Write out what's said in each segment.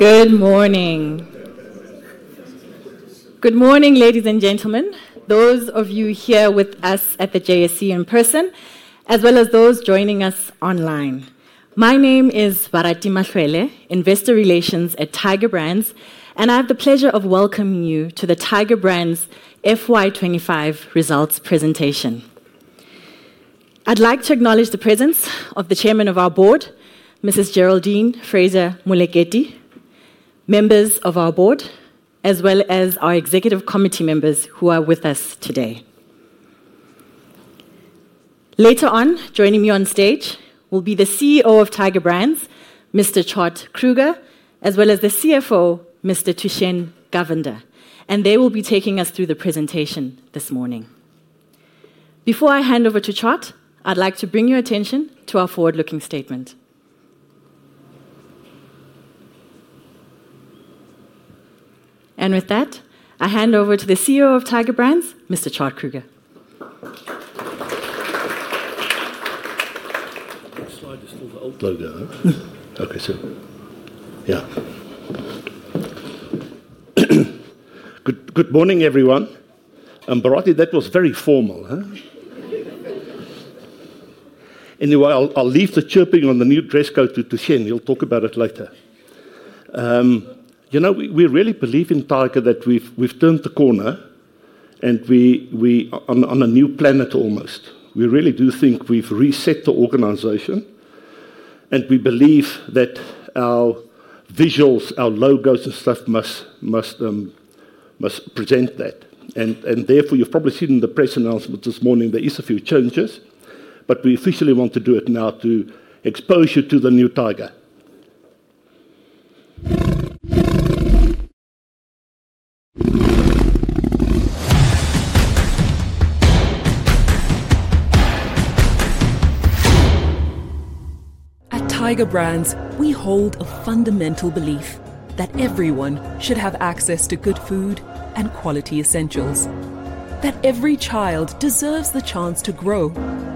Good morning. Good morning, ladies and gentlemen, those of you here with us at the JSC in person, as well as those joining us online. My name is Barati Mahloele, Investor Relations at Tiger Brands, and I have the pleasure of welcoming you to the Tiger Brands FY25 results presentation. I'd like to acknowledge the presence of the Chairman of our Board, Mrs. Geraldine Fraser-Mulligethy, members of our Board, as well as our Executive Committee members who are with us today. Later on, joining me on stage will be the CEO of Tiger Brands, Mr. Tjaart Kruger, as well as the CFO, Mr. Thushen Govender, and they will be taking us through the presentation this morning. Before I hand over to Tjaart, I'd like to bring your attention to our forward-looking statement. And with that, I hand over to the CEO of Tiger Brands, Mr. Tjaart Kruger. Next slide is for the old logo. Okay, so, yeah. Good morning, everyone. Barati, that was very formal. Anyway, I'll leave the chirping on the new dress code to Thushen. He'll talk about it later. You know, we really believe in Tiger that we've turned the corner and we are on a new planet almost. We really do think we've reset the organization, and we believe that our visuals, our logos and stuff must present that. Therefore, you've probably seen in the press announcements this morning, there are a few changes, but we officially want to do it now to expose you to the new Tiger. At Tiger Brands, we hold a fundamental belief that everyone should have access to good food and quality essentials, that every child deserves the chance to grow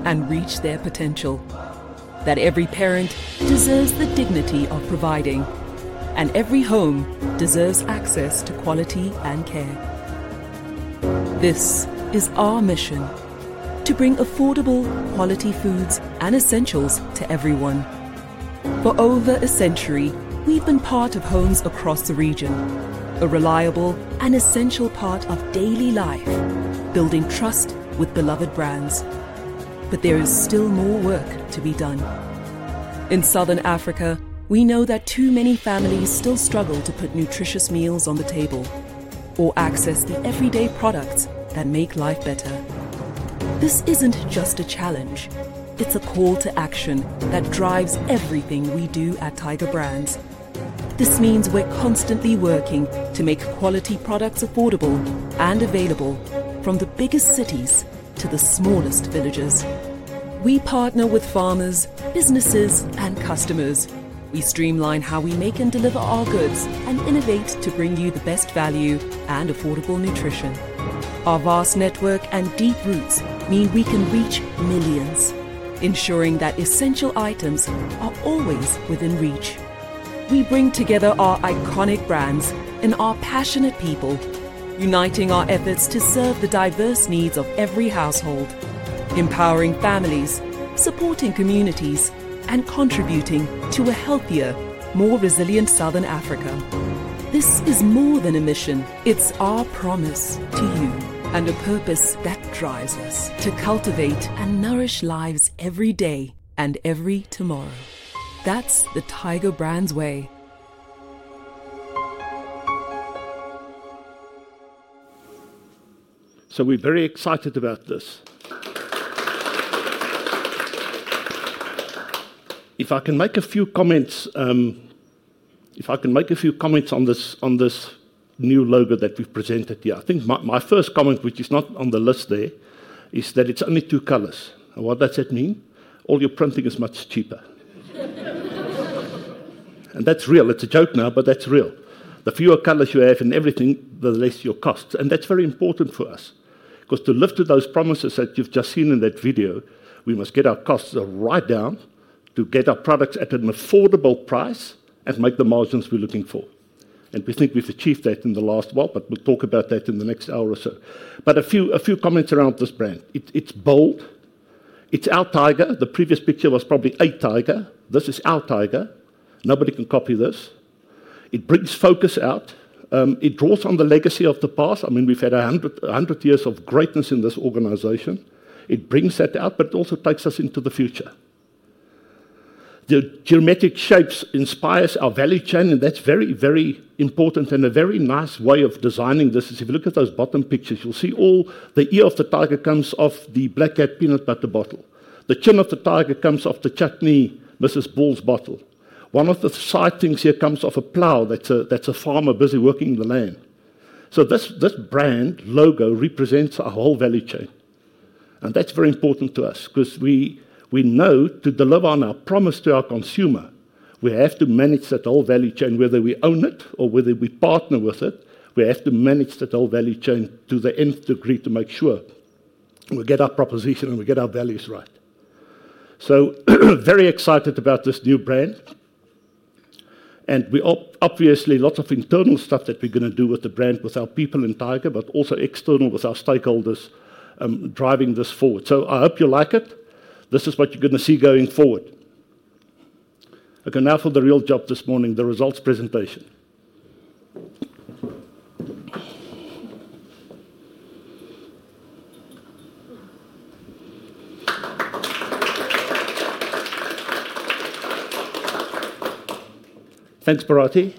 and reach their potential, that every parent deserves the dignity of providing, and every home deserves access to quality and care. This is our mission: to bring affordable, quality foods and essentials to everyone. For over a century, we've been part of homes across the region, a reliable and essential part of daily life, building trust with beloved brands. There is still more work to be done. In Southern Africa, we know that too many families still struggle to put nutritious meals on the table or access the everyday products that make life better. This isn't just a challenge; it's a call to action that drives everything we do at Tiger Brands. This means we're constantly working to make quality products affordable and available from the biggest cities to the smallest villages. We partner with farmers, businesses, and customers. We streamline how we make and deliver our goods and innovate to bring you the best value and affordable nutrition. Our vast network and deep roots mean we can reach millions, ensuring that essential items are always within reach. We bring together our iconic brands and our passionate people, uniting our efforts to serve the diverse needs of every household, empowering families, supporting communities, and contributing to a healthier, more resilient Southern Africa. This is more than a mission; it's our promise to you and a purpose that drives us to cultivate and nourish lives every day and every tomorrow. That's the Tiger Brands way. We're very excited about this. If I can make a few comments on this new logo that we've presented here, I think my first comment, which is not on the list there, is that it's only two colors. What does that mean? All your printing is much cheaper. And that's real. It's a joke now, but that's real. The fewer colors you have in everything, the less your costs. And that's very important for us because to live to those promises that you've just seen in that video, we must get our costs right down to get our products at an affordable price and make the margins we're looking for. And we think we've achieved that in the last while, but we'll talk about that in the next hour or so. But a few comments around this brand. It's bold. It's our Tiger. The previous picture was probably a Tiger. This is our Tiger. Nobody can copy this. It brings focus out. It draws on the legacy of the past. I mean, we've had a hundred years of greatness in this organization. It brings that out, but it also takes us into the future. The geometric shapes inspire our value chain, and that's very, very important and a very nice way of designing this. If you look at those bottom pictures, you'll see all the ear of the tiger comes off the Black Cat peanut butter bottle. The chin of the tiger comes off the Chutney, Mrs. Ball's bottle. One of the side things here comes off a plow. That's a farmer busy working the land. So this brand logo represents our whole value chain. And that's very important to us because we know to deliver on our promise to our consumer, we have to manage that whole value chain, whether we own it or whether we partner with it. We have to manage that whole value chain to the nth degree to make sure we get our proposition and we get our values right. So very excited about this new brand. And we obviously have lots of internal stuff that we're going to do with the brand with our people in Tiger, but also external with our stakeholders driving this forward. So I hope you like it. This is what you're going to see going forward. Okay, now for the real job this morning, the results presentation. Thanks, Barati.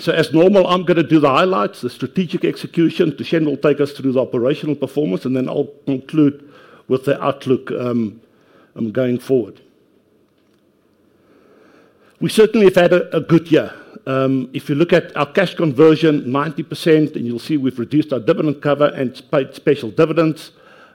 So as normal, I'm going to do the highlights, the strategic execution. Thushen will take us through the operational performance, and then I'll conclude with the outlook going forward. We certainly have had a good year. If you look at our cash conversion, 90%, and you'll see we've reduced our dividend cover and paid special dividends.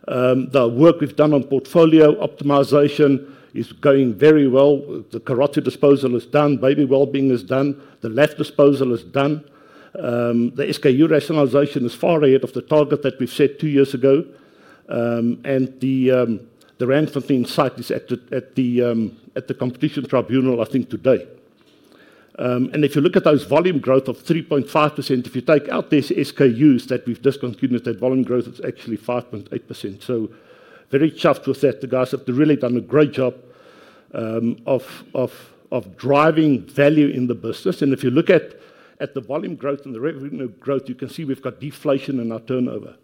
The work we've done on portfolio optimization is going very well. The Karate disposal is done. Baby wellbeing is done. The left disposal is done. The SKU rationalization is far ahead of the target that we've set two years ago. And the ransom thing site is at the Competition Tribunal, I think, today. And if you look at those volume growth of 3.5%, if you take out these SKUs that we've discounted, that volume growth is actually 5.8%. So very chuffed with that, the guys have really done a great job of driving value in the business. And if you look at the volume growth and the revenue growth, you can see we've got deflation in our turnover,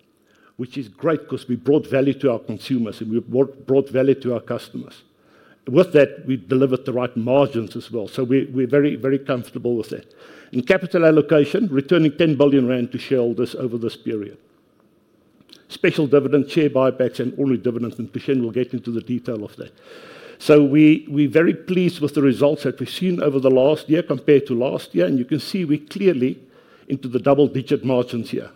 which is great because we brought value to our consumers and we brought value to our customers. With that, we delivered the right margins as well. So we're very, very comfortable with that. In capital allocation, returning 10 billion rand to shareholders over this period. Special dividends, share buybacks, and only dividends, and Thushen will get into the detail of that. So we're very pleased with the results that we've seen over the last year compared to last year. And you can see we clearly into the double-digit margins here.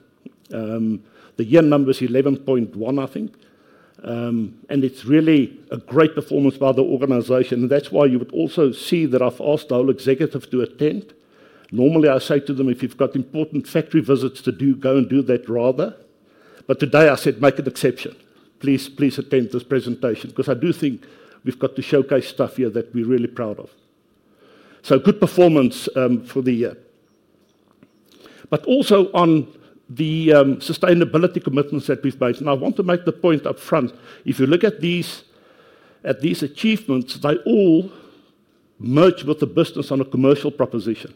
The year number is 11.1, I think. And it's really a great performance by the organization. And that's why you would also see that I've asked the whole executive to attend. Normally, I say to them, if you've got important factory visits to do, go and do that rather. But today I said, make an exception. Please attend this presentation because I do think we've got to showcase stuff here that we're really proud of. So good performance for the year. But also on the sustainability commitments that we've made. And I want to make the point upfront. If you look at these achievements, they all merge with the business on a commercial proposition.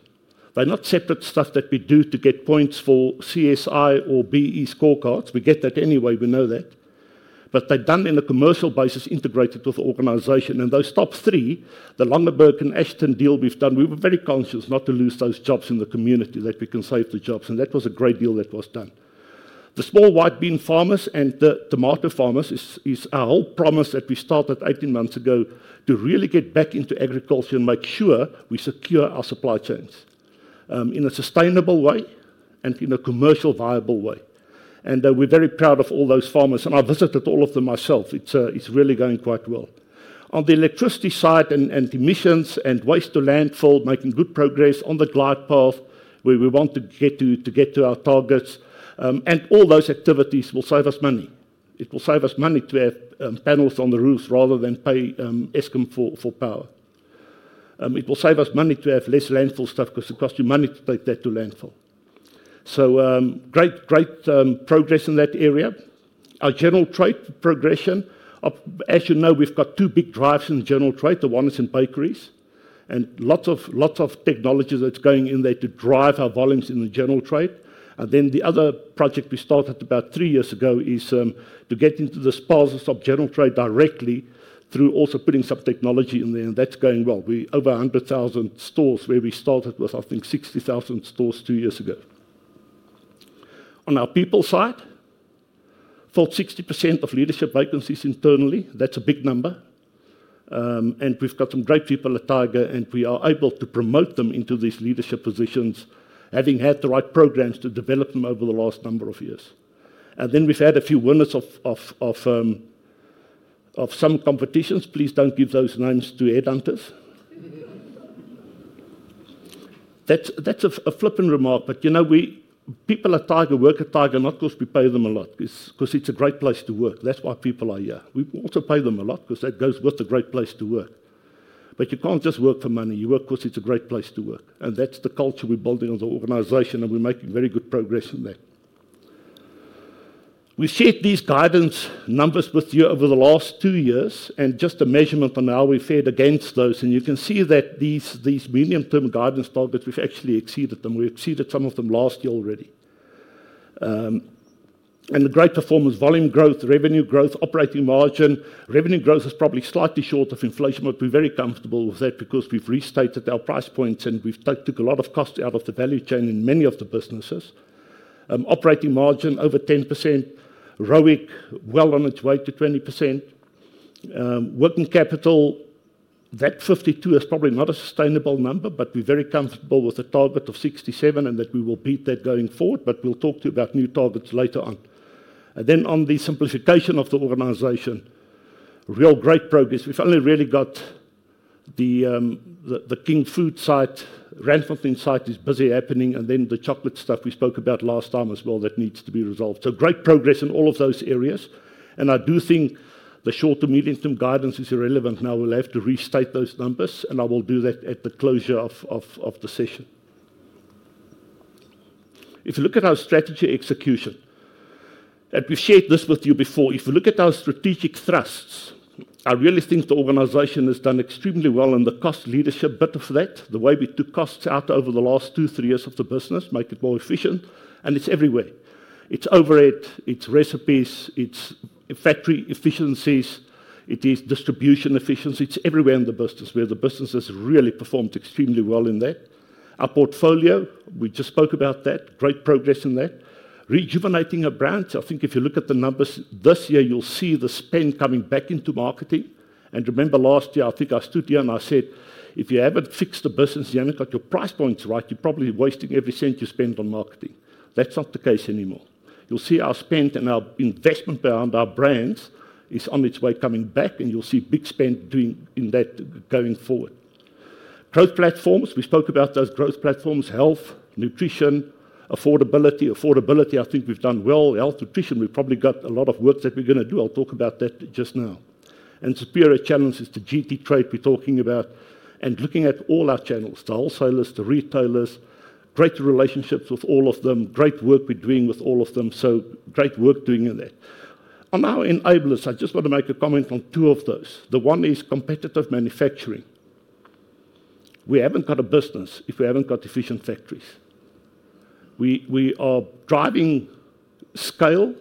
They're not separate stuff that we do to get points for CSI or BE scorecards. We get that anyway. We know that. But they're done in a commercial basis integrated with the organization. And those top three, the Lungeberg and Ashton deal we've done, we were very conscious not to lose those jobs in the community that we can save the jobs. And that was a great deal that was done. The small white bean farmers and the tomato farmers is our whole promise that we started 18 months ago to really get back into agriculture and make sure we secure our supply chains in a sustainable way and in a commercial viable way. And we're very proud of all those farmers. And I visited all of them myself. It's really going quite well. On the electricity side and emissions and waste to landfill, making good progress on the glide path where we want to get to our targets. And all those activities will save us money. It will save us money to have panels on the roofs rather than pay Eskim for power. It will save us money to have less landfill stuff because it costs you money to take that to landfill. So great progress in that area. Our general trade progression. As you know, we've got two big drives in the general trade. The one is in bakeries and lots of technology that's going in there to drive our volumes in the general trade. And then the other project we started about three years ago is to get into the spouses of general trade directly through also putting some technology in there. And that's going well. We have over 100,000 stores where we started with, I think, 60,000 stores two years ago. On our people side, full 60% of leadership vacancies internally. That's a big number. And we've got some great people at Tiger, and we are able to promote them into these leadership positions, having had the right programs to develop them over the last number of years. And then we've had a few winners of some competitions. Please don't give those names to headhunters. That's a flippant remark, but you know, people at Tiger work at Tiger not because we pay them a lot, because it's a great place to work. That's why people are here. We also pay them a lot because that goes with a great place to work. But you can't just work for money. You work because it's a great place to work. And that's the culture we're building as an organization, and we're making very good progress in that. We shared these guidance numbers with you over the last two years and just a measurement on how we fared against those. And you can see that these medium-term guidance targets, we've actually exceeded them. We exceeded some of them last year already. And the great performance, volume growth, revenue growth, operating margin. Revenue growth is probably slightly short of inflation, but we're very comfortable with that because we've restated our price points and we've taken a lot of costs out of the value chain in many of the businesses. Operating margin over 10%, ROIC well on its way to 20%. Working capital, that 52 is probably not a sustainable number, but we're very comfortable with a target of 67 and that we will beat that going forward. But we'll talk to you about new targets later on. And then on the simplification of the organization, real great progress. We've only really got the King Food site, ransom thing site is busy happening, and then the chocolate stuff we spoke about last time as well that needs to be resolved. So great progress in all of those areas. And I do think the short to medium-term guidance is irrelevant now. We'll have to restate those numbers, and I will do that at the closure of the session. If you look at our strategy execution, and we've shared this with you before, if you look at our strategic thrusts, I really think the organization has done extremely well in the cost leadership bit of that, the way we took costs out over the last two, three years of the business, make it more efficient. And it's everywhere. It's overhead, it's recipes, it's factory efficiencies, it is distribution efficiency. It's everywhere in the business where the business has really performed extremely well in that. Our portfolio, we just spoke about that. Great progress in that. Rejuvenating our brands. I think if you look at the numbers this year, you'll see the spend coming back into marketing. And remember last year, I think I stood here and I said, if you haven't fixed the business, you haven't got your price points right, you're probably wasting every cent you spend on marketing. That's not the case anymore. You'll see our spend and our investment beyond our brands is on its way coming back, and you'll see big spend in that going forward. Growth platforms, we spoke about those growth platforms, health, nutrition, affordability. Affordability, I think we've done well. Health, nutrition, we've probably got a lot of work that we're going to do. I'll talk about that just now. And superior challenges to GT Trade we're talking about and looking at all our channels, the wholesalers, the retailers, great relationships with all of them, great work we're doing with all of them. So great work doing in that. On our enablers, I just want to make a comment on two of those. The one is competitive manufacturing. We haven't got a business if we haven't got efficient factories. We are driving scale.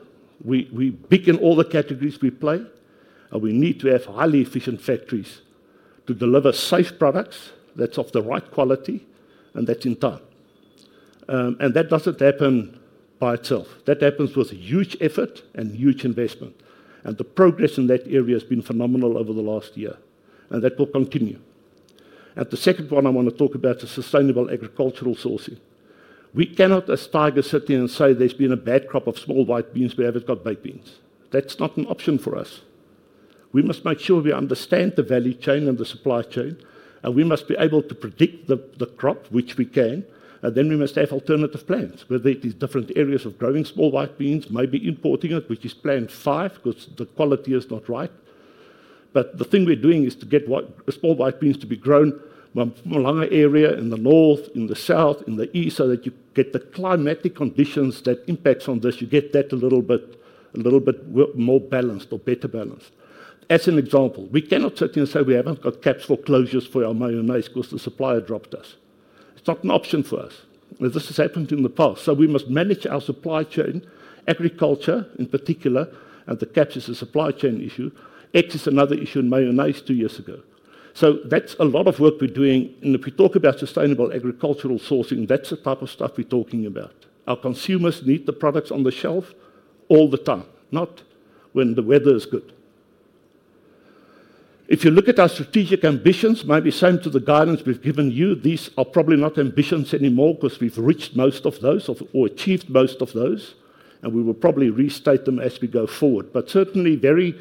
We beat in all the categories we play, and we need to have highly efficient factories to deliver safe products that's of the right quality and that's in time. And that doesn't happen by itself. That happens with huge effort and huge investment. And the progress in that area has been phenomenal over the last year, and that will continue. And the second one I want to talk about is sustainable agricultural sourcing. We cannot, as Tiger sit here and say there's been a bad crop of small white beans, we haven't got baked beans. That's not an option for us. We must make sure we understand the value chain and the supply chain, and we must be able to predict the crop, which we can. And then we must have alternative plans, whether it is different areas of growing small white beans, maybe importing it, which is planned five because the quality is not right. But the thing we're doing is to get small white beans to be grown in a longer area in the north, in the south, in the east so that you get the climatic conditions that impact on this. You get that a little bit more balanced or better balanced. As an example, we cannot sit here and say we haven't got caps for closures for our mayonnaise because the supplier dropped us. It's not an option for us. This has happened in the past. So we must manage our supply chain, agriculture in particular, and the caps is a supply chain issue. X is another issue in mayonnaise two years ago. So that's a lot of work we're doing. And if we talk about sustainable agricultural sourcing, that's the type of stuff we're talking about. Our consumers need the products on the shelf all the time, not when the weather is good. If you look at our strategic ambitions, maybe same to the guidance we've given you. These are probably not ambitions anymore because we've reached most of those or achieved most of those, and we will probably restate them as we go forward. But certainly very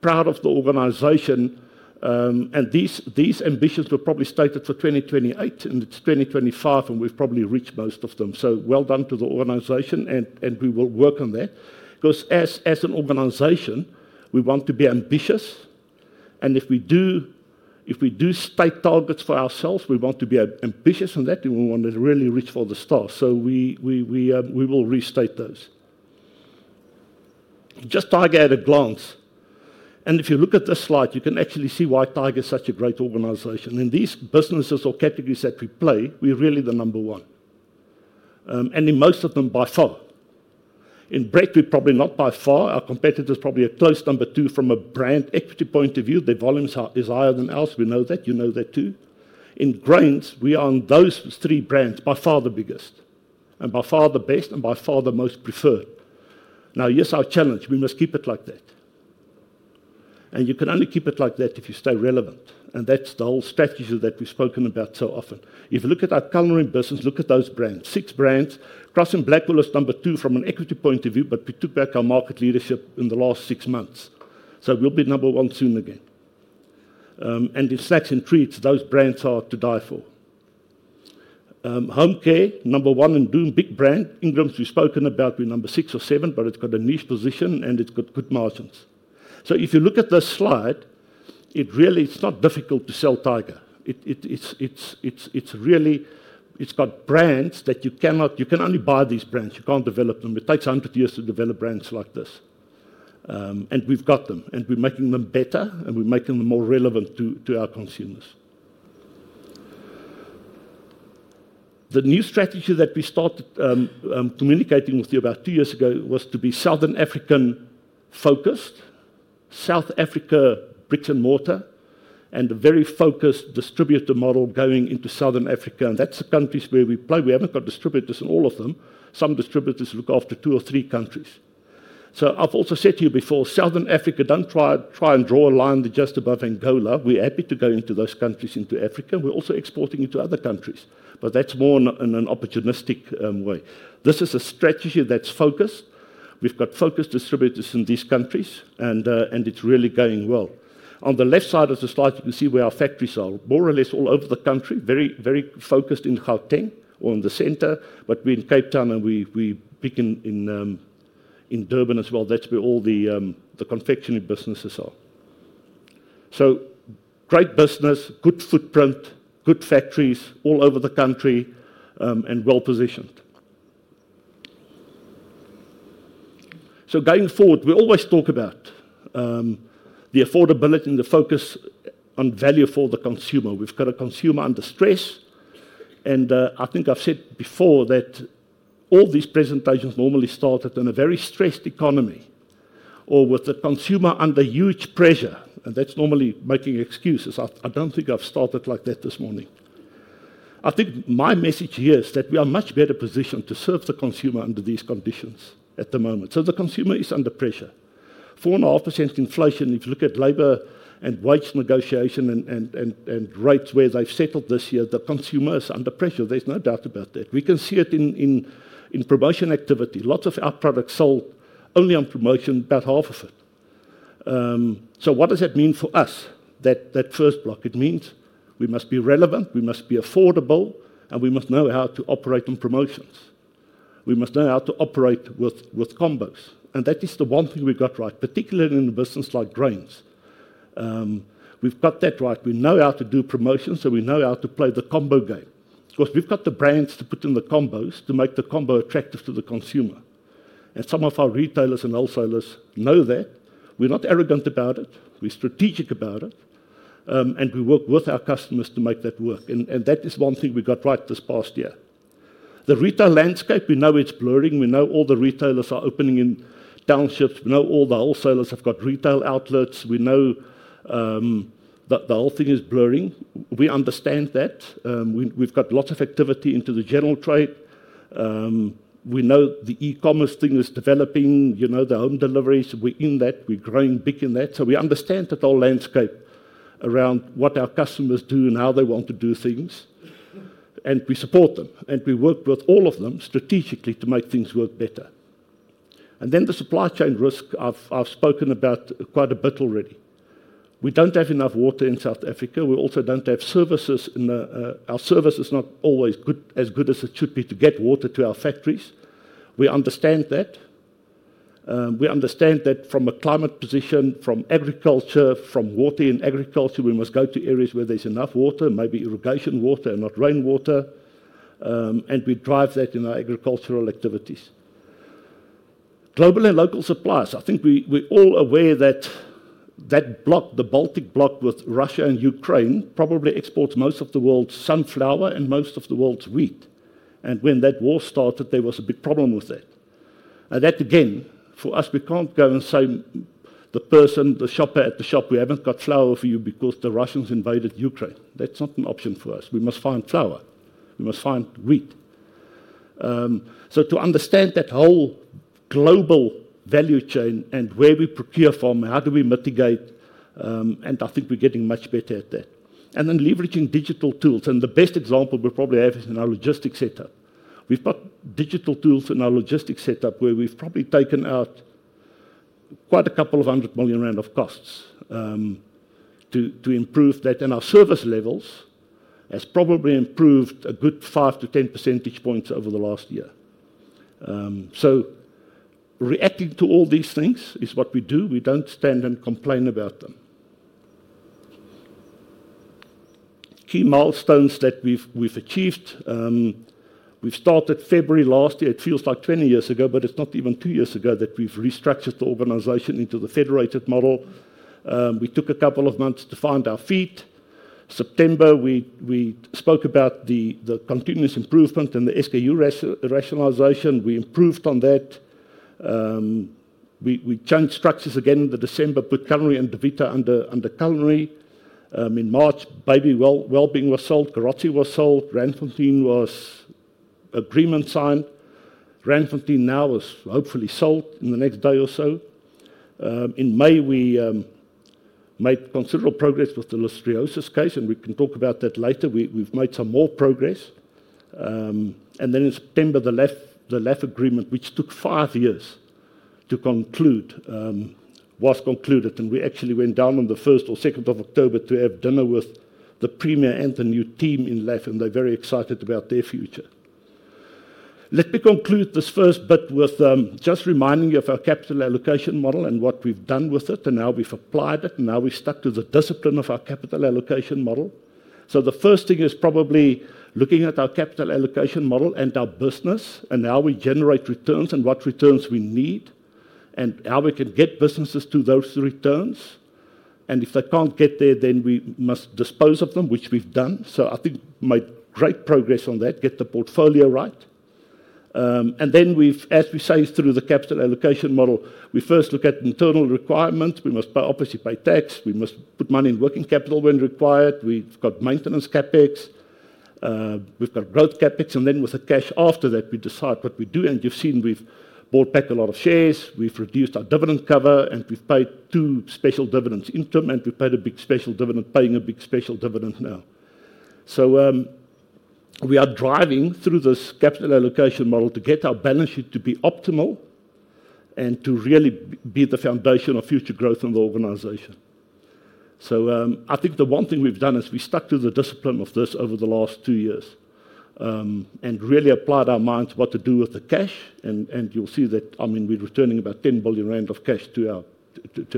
proud of the organization. And these ambitions were probably stated for 2028 and it's 2025, and we've probably reached most of them. So well done to the organization, and we will work on that. Because as an organization, we want to be ambitious. And if we do state targets for ourselves, we want to be ambitious in that, and we want to really reach for the stars. So we will restate those. Just Tiger at a glance. And if you look at this slide, you can actually see why Tiger is such a great organization. In these businesses or categories that we play, we're really the number one. And in most of them by far. In bread, we're probably not by far. Our competitors are probably a close number two from a brand equity point of view. The volumes are higher than ours. We know that. You know that too. In grains, we are on those three brands by far the biggest and by far the best and by far the most preferred. Now, yes, our challenge, we must keep it like that. And you can only keep it like that if you stay relevant. And that's the whole strategy that we've spoken about so often. If you look at our culinary business, look at those brands. Six brands, Cross and Blackwell is number two from an equity point of view, but we took back our market leadership in the last six months. So we'll be number one soon again. And in snacks and treats, those brands are to die for. Home care, number one in doing big brand. Ingrams, we've spoken about, we're number six or seven, but it's got a niche position and it's got good margins. So if you look at this slide, it really, it's not difficult to sell Tiger. It's really, it's got brands that you cannot, you can only buy these brands. You can't develop them. It takes 100 years to develop brands like this. And we've got them, and we're making them better, and we're making them more relevant to our consumers. The new strategy that we started communicating with you about two years ago was to be Southern African focused, South Africa bricks and mortar, and a very focused distributor model going into Southern Africa. And that's the countries where we play. We haven't got distributors in all of them. Some distributors look after two or three countries. So I've also said to you before, Southern Africa, don't try and draw a line just above Angola. We're happy to go into those countries into Africa. We're also exporting into other countries, but that's more in an opportunistic way. This is a strategy that's focused. We've got focused distributors in these countries, and it's really going well. On the left side of the slide, you can see where our factories are, more or less all over the country, very focused in Khao Teng or in the center, but we're in Cape Town and we're big in Durban as well. That's where all the confectionery businesses are. So great business, good footprint, good factories all over the country and well positioned. So going forward, we always talk about the affordability and the focus on value for the consumer. We've got a consumer under stress. And I think I've said before that all these presentations normally started in a very stressed economy or with the consumer under huge pressure. And that's normally making excuses. I don't think I've started like that this morning. I think my message here is that we are in a much better position to serve the consumer under these conditions at the moment. So the consumer is under pressure. 4% inflation, if you look at labor and wage negotiation and rates where they've settled this year, the consumer is under pressure. There's no doubt about that. We can see it in promotion activity. Lots of our products sold only on promotion, about half of it. So what does that mean for us, that first block? It means we must be relevant, we must be affordable, and we must know how to operate on promotions. We must know how to operate with combos. And that is the one thing we've got right, particularly in a business like grains. We've got that right. We know how to do promotions, so we know how to play the combo game. Because we've got the brands to put in the combos to make the combo attractive to the consumer. And some of our retailers and wholesalers know that. We're not arrogant about it. We're strategic about it. And we work with our customers to make that work. And that is one thing we got right this past year. The retail landscape, we know it's blurring. We know all the retailers are opening in townships. We know all the wholesalers have got retail outlets. We know the whole thing is blurring. We understand that. We've got lots of activity into the general trade. We know the e-commerce thing is developing, the home deliveries. We're in that. We're growing big in that. So we understand the whole landscape around what our customers do and how they want to do things. And we support them. And we work with all of them strategically to make things work better. And then the supply chain risk, I've spoken about quite a bit already. We don't have enough water in South Africa. We also don't have services. Our service is not always as good as it should be to get water to our factories. We understand that. We understand that from a climate position, from agriculture, from water in agriculture, we must go to areas where there's enough water, maybe irrigation water and not rainwater. And we drive that in our agricultural activities. Global and local suppliers. I think we're all aware that that block, the Baltic block with Russia and Ukraine, probably exports most of the world's sunflower and most of the world's wheat. And when that war started, there was a big problem with that. And that again, for us, we can't go and say to the person, the shopper at the shop, we haven't got flour for you because the Russians invaded Ukraine. That's not an option for us. We must find flour. We must find wheat. So to understand that whole global value chain and where we procure from and how do we mitigate, and I think we're getting much better at that. And then leveraging digital tools. And the best example we probably have is in our logistics setup. We've got digital tools in our logistics setup where we've probably taken out quite a couple of hundred million rounds of costs to improve that. And our service levels have probably improved a good 5-10 percentage points over the last year. So reacting to all these things is what we do. We don't stand and complain about them. Key milestones that we've achieved. We've started February last year. It feels like 20 years ago, but it's not even two years ago that we've restructured the organization into the federated model. We took a couple of months to find our feet. September, we spoke about the continuous improvement and the SKU rationalization. We improved on that. We changed structures again in December, put culinary and DeVita under culinary. In March, baby wellbeing was sold, Karatzi was sold, Ranfontein was agreement signed. Ranfontein now is hopefully sold in the next day or so. In May, we made considerable progress with the Lustreosis case, and we can talk about that later. We've made some more progress. And then in September, the LAF agreement, which took five years to conclude, was concluded. And we actually went down on the first or second of October to have dinner with the premier and the new team in LAF, and they're very excited about their future. Let me conclude this first bit with just reminding you of our capital allocation model and what we've done with it, and how we've applied it, and how we stuck to the discipline of our capital allocation model. So the first thing is probably looking at our capital allocation model and our business and how we generate returns and what returns we need and how we can get businesses to those returns. And if they can't get there, then we must dispose of them, which we've done. So I think we made great progress on that, get the portfolio right. And then we've, as we say, through the capital allocation model, we first look at internal requirements. We must obviously pay tax. We must put money in working capital when required. We've got maintenance CapEx. We've got growth CapEx. And then with the cash after that, we decide what we do. And you've seen we've bought back a lot of shares. We've reduced our dividend cover, and we've paid two special dividends in term, and we've paid a big special dividend, paying a big special dividend now. So we are driving through this capital allocation model to get our balance sheet to be optimal and to really be the foundation of future growth in the organization. So I think the one thing we've done is we stuck to the discipline of this over the last two-years and really applied our mind to what to do with the cash. And you'll see that, I mean, we're returning about 10 billion rounds of cash to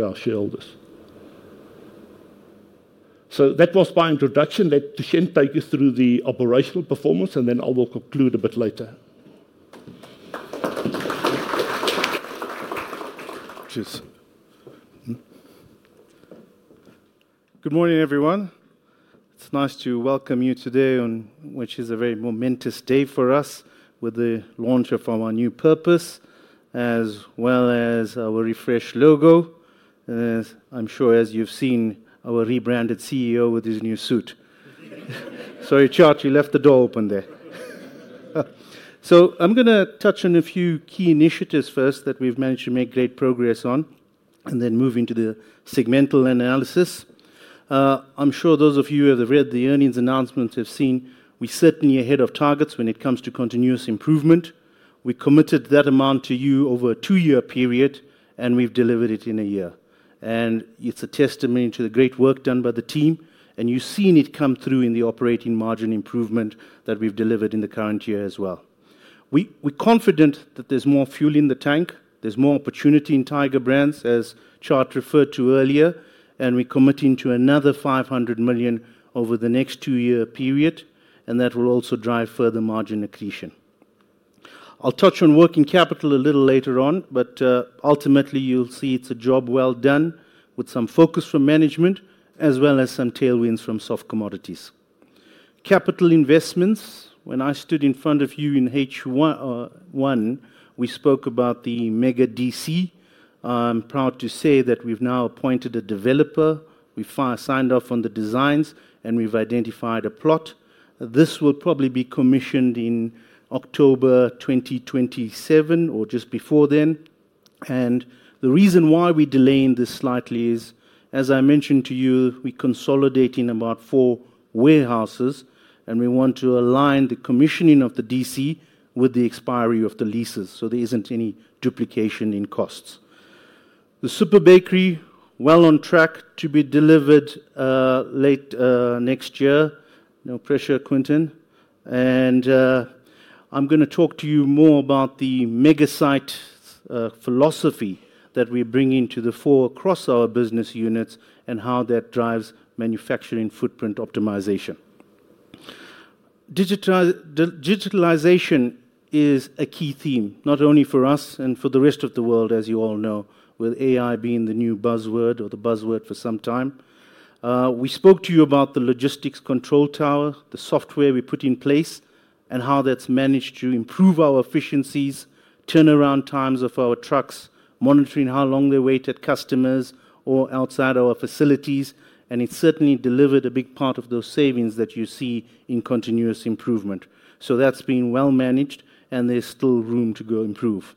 our shareholders. So that was my introduction. Let Thushen take you through the operational performance, and then I will conclude a bit later. Good morning, everyone. It's nice to welcome you today, which is a very momentous day for us with the launch of our new purpose, as well as our refreshed logo. And I'm sure, as you've seen, our rebranded CEO with his new suit. Sorry, Tjaart, you left the door open there. So I'm going to touch on a few key initiatives first that we've managed to make great progress on, and then move into the segmental analysis. I'm sure those of you who have read the earnings announcements have seen we're certainly ahead of targets when it comes to continuous improvement. We committed that amount to you over a two-year period, and we've delivered it in a year. And it's a testament to the great work done by the team. And you've seen it come through in the operating margin improvement that we've delivered in the current year as well. We're confident that there's more fuel in the tank. There's more opportunity in Tiger Brands, as Tjaart referred to earlier. And we're committing to another 500 million over the next two-year period. And that will also drive further margin accretion. I'll touch on working capital a little later on, but ultimately, you'll see it's a job well done with some focus from management, as well as some tailwinds from soft commodities. Capital investments. When I stood in front of you in H1, we spoke about the Mega DC. I'm proud to say that we've now appointed a developer. We've signed off on the designs, and we've identified a plot. This will probably be commissioned in October 2027 or just before then. And the reason why we're delaying this slightly is, as I mentioned to you, we're consolidating about four warehouses, and we want to align the commissioning of the DC with the expiry of the leases so there isn't any duplication in costs. The Super bakery, well on track to be delivered late next year. No pressure, Quentin. And I'm going to talk to you more about the mega site philosophy that we're bringing to the four across our business units and how that drives manufacturing footprint optimization. Digitalization is a key theme, not only for us and for the rest of the world, as you all know, with AI being the new buzzword or the buzzword for some time. We spoke to you about the logistics control tower, the software we put in place, and how that's managed to improve our efficiencies, turnaround times of our trucks, monitoring how long they wait at customers or outside our facilities. And it's certainly delivered a big part of those savings that you see in continuous improvement. So that's been well managed, and there's still room to improve.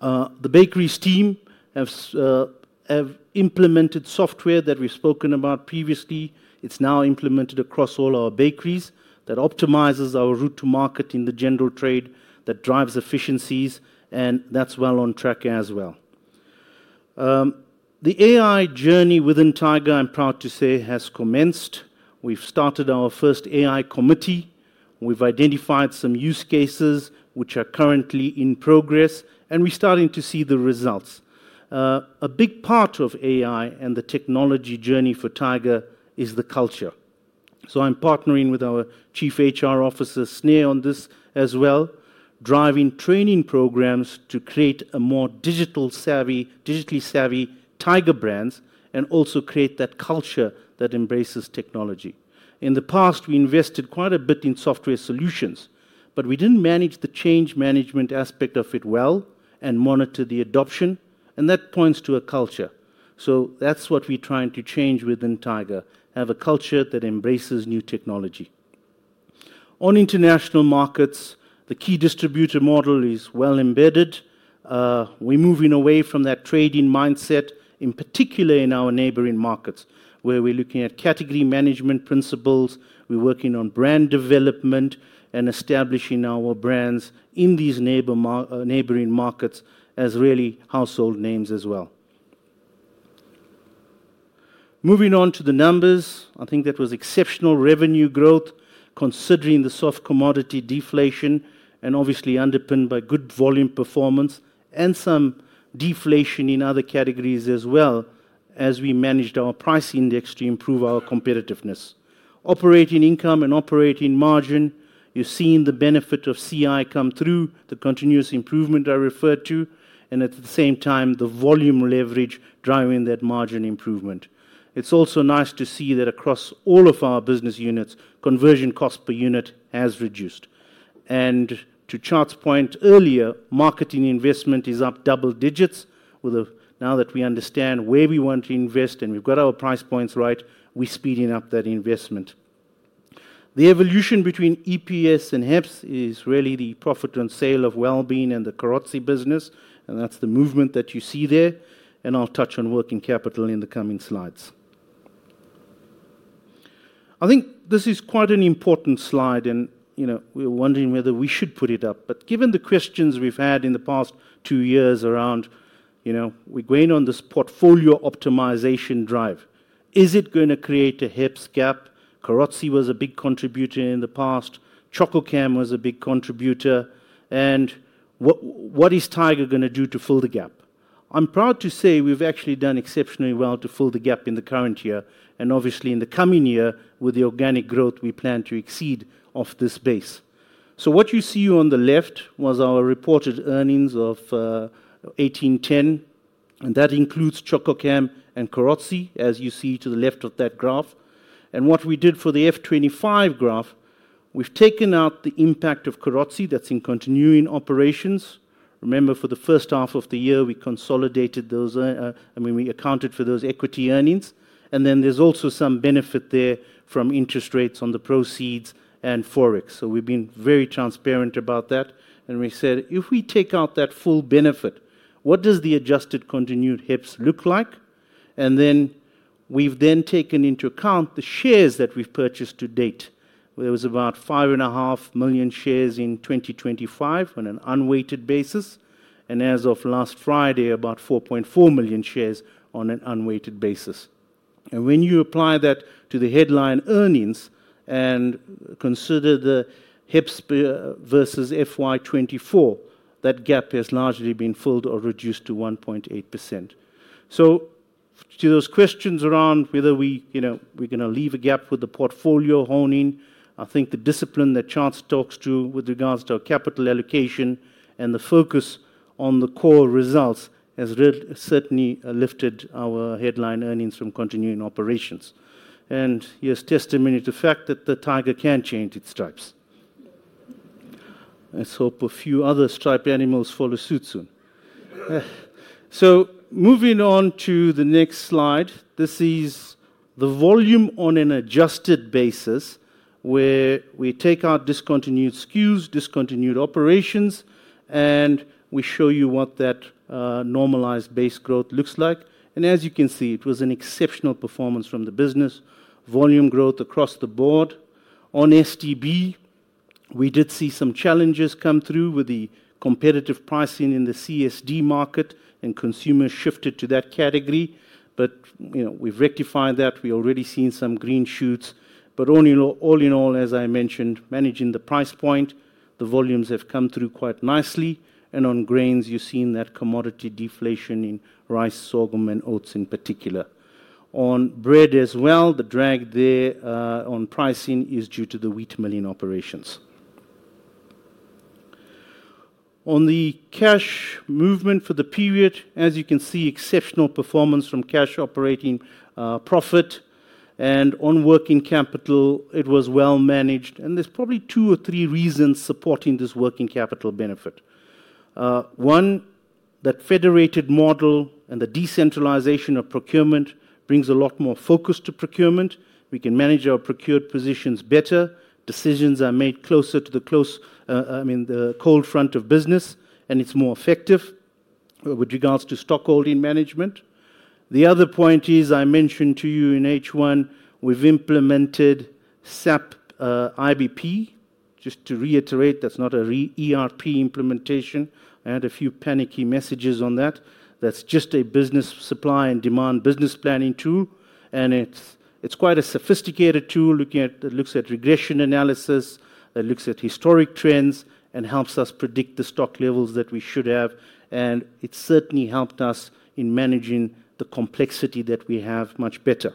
The bakeries team have implemented software that we've spoken about previously. It's now implemented across all our bakeries that optimizes our route to market in the general trade that drives efficiencies, and that's well on track as well. The AI journey within Tiger, I'm proud to say, has commenced. We've started our first AI committee. We've identified some use cases which are currently in progress, and we're starting to see the results. A big part of AI and the technology journey for Tiger is the culture. So I'm partnering with our chief HR officer, S'ne, on this as well, driving training programs to create a more digitally savvy Tiger brands and also create that culture that embraces technology. In the past, we invested quite a bit in software solutions, but we didn't manage the change management aspect of it well and monitor the adoption. And that points to a culture. So that's what we're trying to change within Tiger, have a culture that embraces new technology. On international markets, the key distributor model is well embedded. We're moving away from that trading mindset, in particular in our neighboring markets, where we're looking at category management principles. We're working on brand development and establishing our brands in these neighboring markets as really household names as well. Moving on to the numbers, I think that was exceptional revenue growth, considering the soft commodity deflation and obviously underpinned by good volume performance and some deflation in other categories as well, as we managed our price index to improve our competitiveness. Operating income and operating margin, you've seen the benefit of CI come through the continuous improvement I referred to, and at the same time, the volume leverage driving that margin improvement. It's also nice to see that across all of our business units, conversion cost per unit has reduced. And to Tjaart's point earlier, marketing investment is up double digits. Now that we understand where we want to invest and we've got our price points right, we're speeding up that investment. The evolution between EPS and HEPS is really the profit and sale of wellbeing and the Karatzi business, and that's the movement that you see there. And I'll touch on working capital in the coming slides. I think this is quite an important slide, and we're wondering whether we should put it up. But given the questions we've had in the past two-years around, we're going on this portfolio optimization drive. Is it going to create a HEPS gap? Karatzi was a big contributor in the past. ChocoCam was a big contributor. And what is Tiger going to do to fill the gap? I'm proud to say we've actually done exceptionally well to fill the gap in the current year. And obviously, in the coming year, with the organic growth, we plan to exceed off this base. So what you see on the left was our reported earnings of 1810, and that includes ChocoCam and Karatzi, as you see to the left of that graph. And what we did for the F25 graph, we've taken out the impact of Karatzi that's in continuing operations. Remember, for the first half of the year, we consolidated those, I mean, we accounted for those equity earnings. And then there's also some benefit there from interest rates on the proceeds and forex. So we've been very transparent about that. And we said, if we take out that full benefit, what does the adjusted continued HEPS look like? And then we've then taken into account the shares that we've purchased to date. There was about five and a half million shares in 2025 on an unweighted basis. And as of last Friday, about 4.4 million shares on an unweighted basis. And when you apply that to the headline earnings and consider the HEPS versus FY24, that gap has largely been filled or reduced to 1.8%. So to those questions around whether we're going to leave a gap with the portfolio honing, I think the discipline that Tjaart talks to with regards to our capital allocation and the focus on the core results has certainly lifted our headline earnings from continuing operations. And here's testimony to the fact that the tiger can change its stripes. Let's hope a few other stripe animals follow suit soon. So moving on to the next slide. This is the volume on an adjusted basis where we take out discontinued SKUs, discontinued operations, and we show you what that normalized base growth looks like. And as you can see, it was an exceptional performance from the business, volume growth across the Board. On STB, we did see some challenges come through with the competitive pricing in the CSD market, and consumers shifted to that category. But we've rectified that. We've already seen some green shoots. But all in all, as I mentioned, managing the price point, the volumes have come through quite nicely. And on grains, you've seen that commodity deflation in rice, sorghum, and oats in particular. On bread as well, the drag there on pricing is due to the wheat milling operations. On the cash movement for the period, as you can see, exceptional performance from cash operating profit. And on working capital, it was well managed. And there's probably two or three reasons supporting this working capital benefit. One, that federated model and the decentralization of procurement brings a lot more focus to procurement. We can manage our procured positions better. Decisions are made closer to the close, I mean, the cold front of business, and it's more effective with regards to stockholding management. The other point is, I mentioned to you in H1, we've implemented SAP IBP. Just to reiterate, that's not a ERP implementation. I had a few panicky messages on that. That's just a business supply and demand business planning tool. And it's quite a sophisticated tool. It looks at regression analysis. It looks at historic trends and helps us predict the stock levels that we should have. And it's certainly helped us in managing the complexity that we have much better.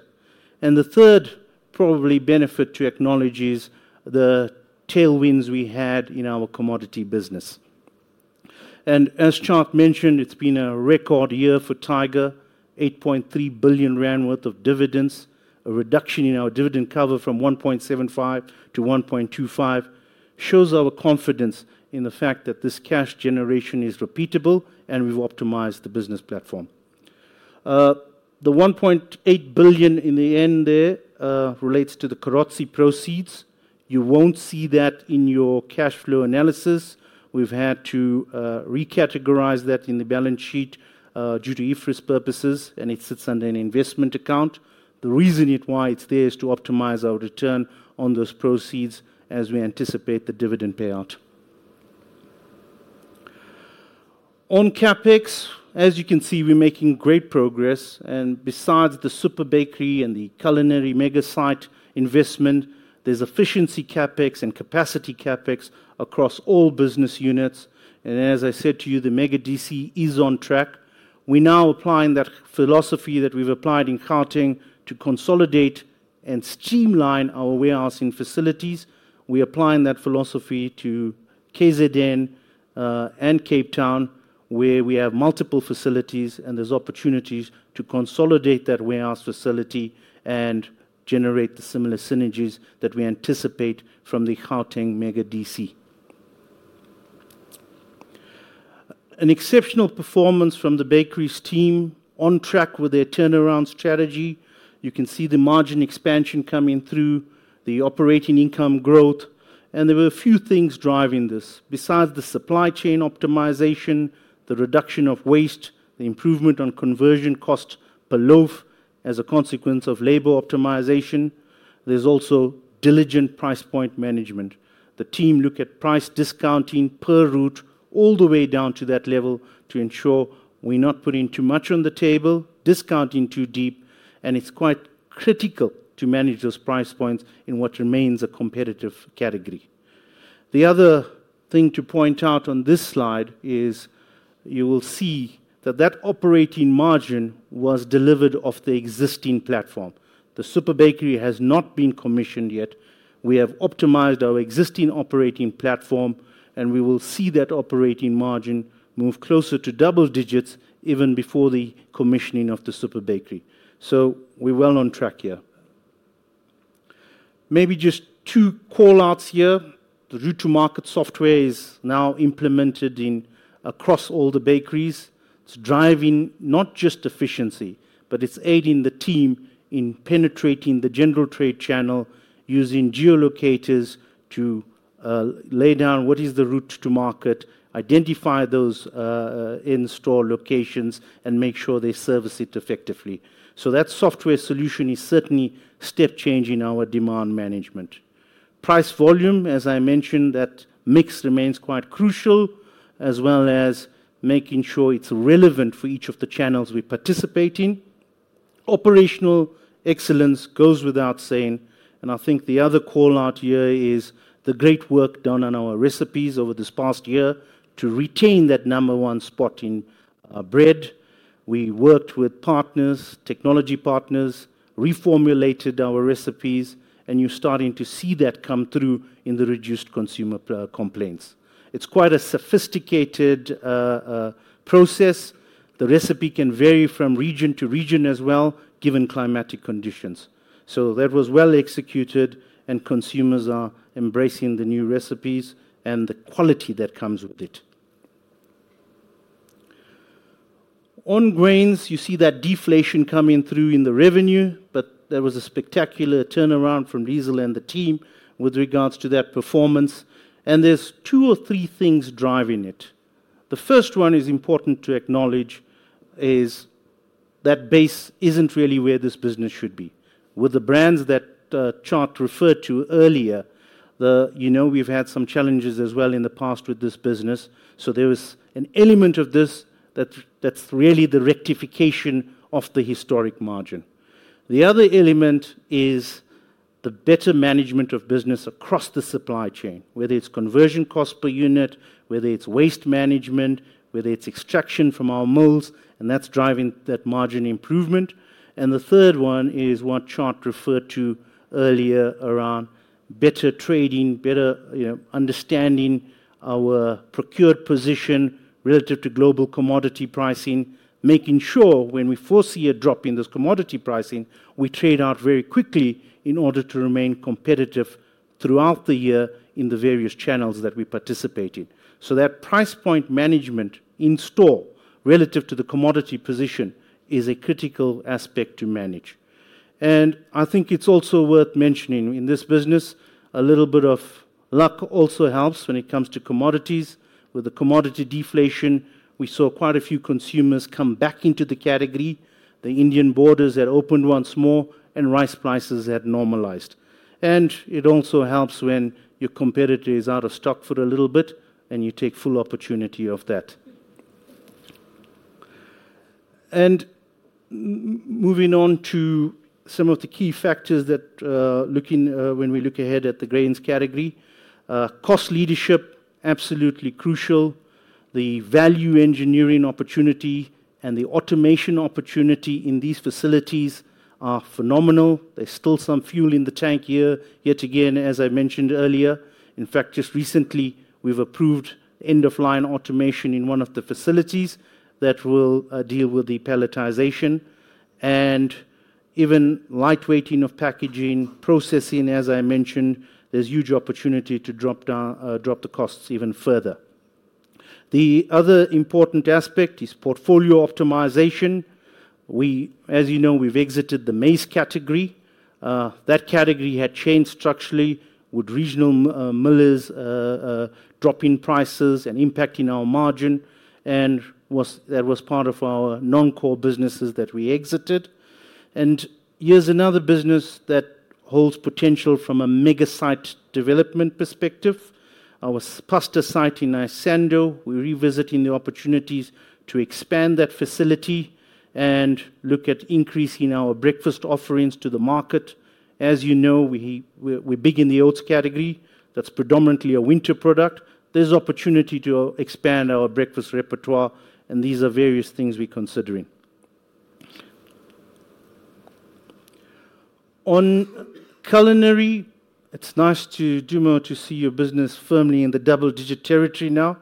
And the third probably benefit to acknowledge is the tailwinds we had in our commodity business. And as Tjaart mentioned, it's been a record year for Tiger, 8.3 billion RAN worth of dividends, a reduction in our dividend cover from 1.75-1.25, shows our confidence in the fact that this cash generation is repeatable and we've optimized the business platform. The 1.8 billion in the end there relates to the Karatzi proceeds. You won't see that in your cash flow analysis. We've had to recategorize that in the balance sheet due to IFRS purposes, and it sits under an investment account. The reason why it's there is to optimize our return on those proceeds as we anticipate the dividend payout. On CapEx, as you can see, we're making great progress. And besides the Super bakery and the culinary mega site investment, there's efficiency CapEx and capacity CapEx across all business units. And as I said to you, the Mega DC is on track. We're now applying that philosophy that we've applied in Karting to consolidate and streamline our warehousing facilities. We're applying that philosophy to KZN and Cape Town, where we have multiple facilities, and there's opportunities to consolidate that warehouse facility and generate the similar synergies that we anticipate from the Karting Mega DC. An exceptional performance from the bakeries team, on track with their turnaround strategy. You can see the margin expansion coming through, the operating income growth. And there were a few things driving this. Besides the supply chain optimization, the reduction of waste, the improvement on conversion cost per loaf as a consequence of labor optimization, there's also diligent price point management. The team look at price discounting per route all the way down to that level to ensure we're not putting too much on the table, discounting too deep, and it's quite critical to manage those price points in what remains a competitive category. The other thing to point out on this slide is you will see that that operating margin was delivered off the existing platform. The Super bakery has not been commissioned yet. We have optimized our existing operating platform, and we will see that operating margin move closer to double digits even before the commissioning of the Super bakery. So we're well on track here. Maybe just two callouts here. The route to market software is now implemented across all the bakeries. It's driving not just efficiency, but it's aiding the team in penetrating the general trade channel using geolocators to lay down what is the route to market, identify those in-store locations, and make sure they service it effectively. So that software solution is certainly step-changing our demand management. Price volume, as I mentioned, that mix remains quite crucial, as well as making sure it's relevant for each of the channels we participate in. Operational excellence goes without saying. And I think the other callout here is the great work done on our recipes over this past year to retain that number one spot in bread. We worked with partners, technology partners, reformulated our recipes, and you're starting to see that come through in the reduced consumer complaints. It's quite a sophisticated process. The recipe can vary from region to region as well, given climatic conditions. So that was well executed, and consumers are embracing the new recipes and the quality that comes with it. On grains, you see that deflation coming through in the revenue, but there was a spectacular turnaround from Diesel and the team with regards to that performance. And there's two or three things driving it. The first one is important to acknowledge is that base isn't really where this business should be. With the brands that Tjaart referred to earlier, we've had some challenges as well in the past with this business. So there was an element of this that's really the rectification of the historic margin. The other element is the better management of business across the supply chain, whether it's conversion cost per unit, whether it's waste management, whether it's extraction from our molds, and that's driving that margin improvement. And the third one is what Tjaart referred to earlier around better trading, better understanding our procured position relative to global commodity pricing, making sure when we foresee a drop in those commodity pricing, we trade out very quickly in order to remain competitive throughout the year in the various channels that we participate in. So that price point management in store relative to the commodity position is a critical aspect to manage. And I think it's also worth mentioning in this business, a little bit of luck also helps when it comes to commodities. With the commodity deflation, we saw quite a few consumers come back into the category. The Indian borders had opened once more, and rice prices had normalized. And it also helps when your competitor is out of stock for a little bit, and you take full opportunity of that. And moving on to some of the key factors that when we look ahead at the grains category, cost leadership, absolutely crucial. The value engineering opportunity and the automation opportunity in these facilities are phenomenal. There's still some fuel in the tank here, yet again, as I mentioned earlier. In fact, just recently, we've approved end-of-line automation in one of the facilities that will deal with the palletization. And even lightweighting of packaging, processing, as I mentioned, there's huge opportunity to drop the costs even further. The other important aspect is portfolio optimization. As you know, we've exited the maize category. That category had changed structurally with regional millers dropping prices and impacting our margin. And that was part of our non-core businesses that we exited. And here's another business that holds potential from a mega site development perspective. Our pasta site in Isando, we're revisiting the opportunities to expand that facility and look at increasing our breakfast offerings to the market. As you know, we begin the oats category. That's predominantly a winter product. There's opportunity to expand our breakfast repertoire, and these are various things we're considering. On culinary, it's nice to see your business firmly in the double-digit territory now.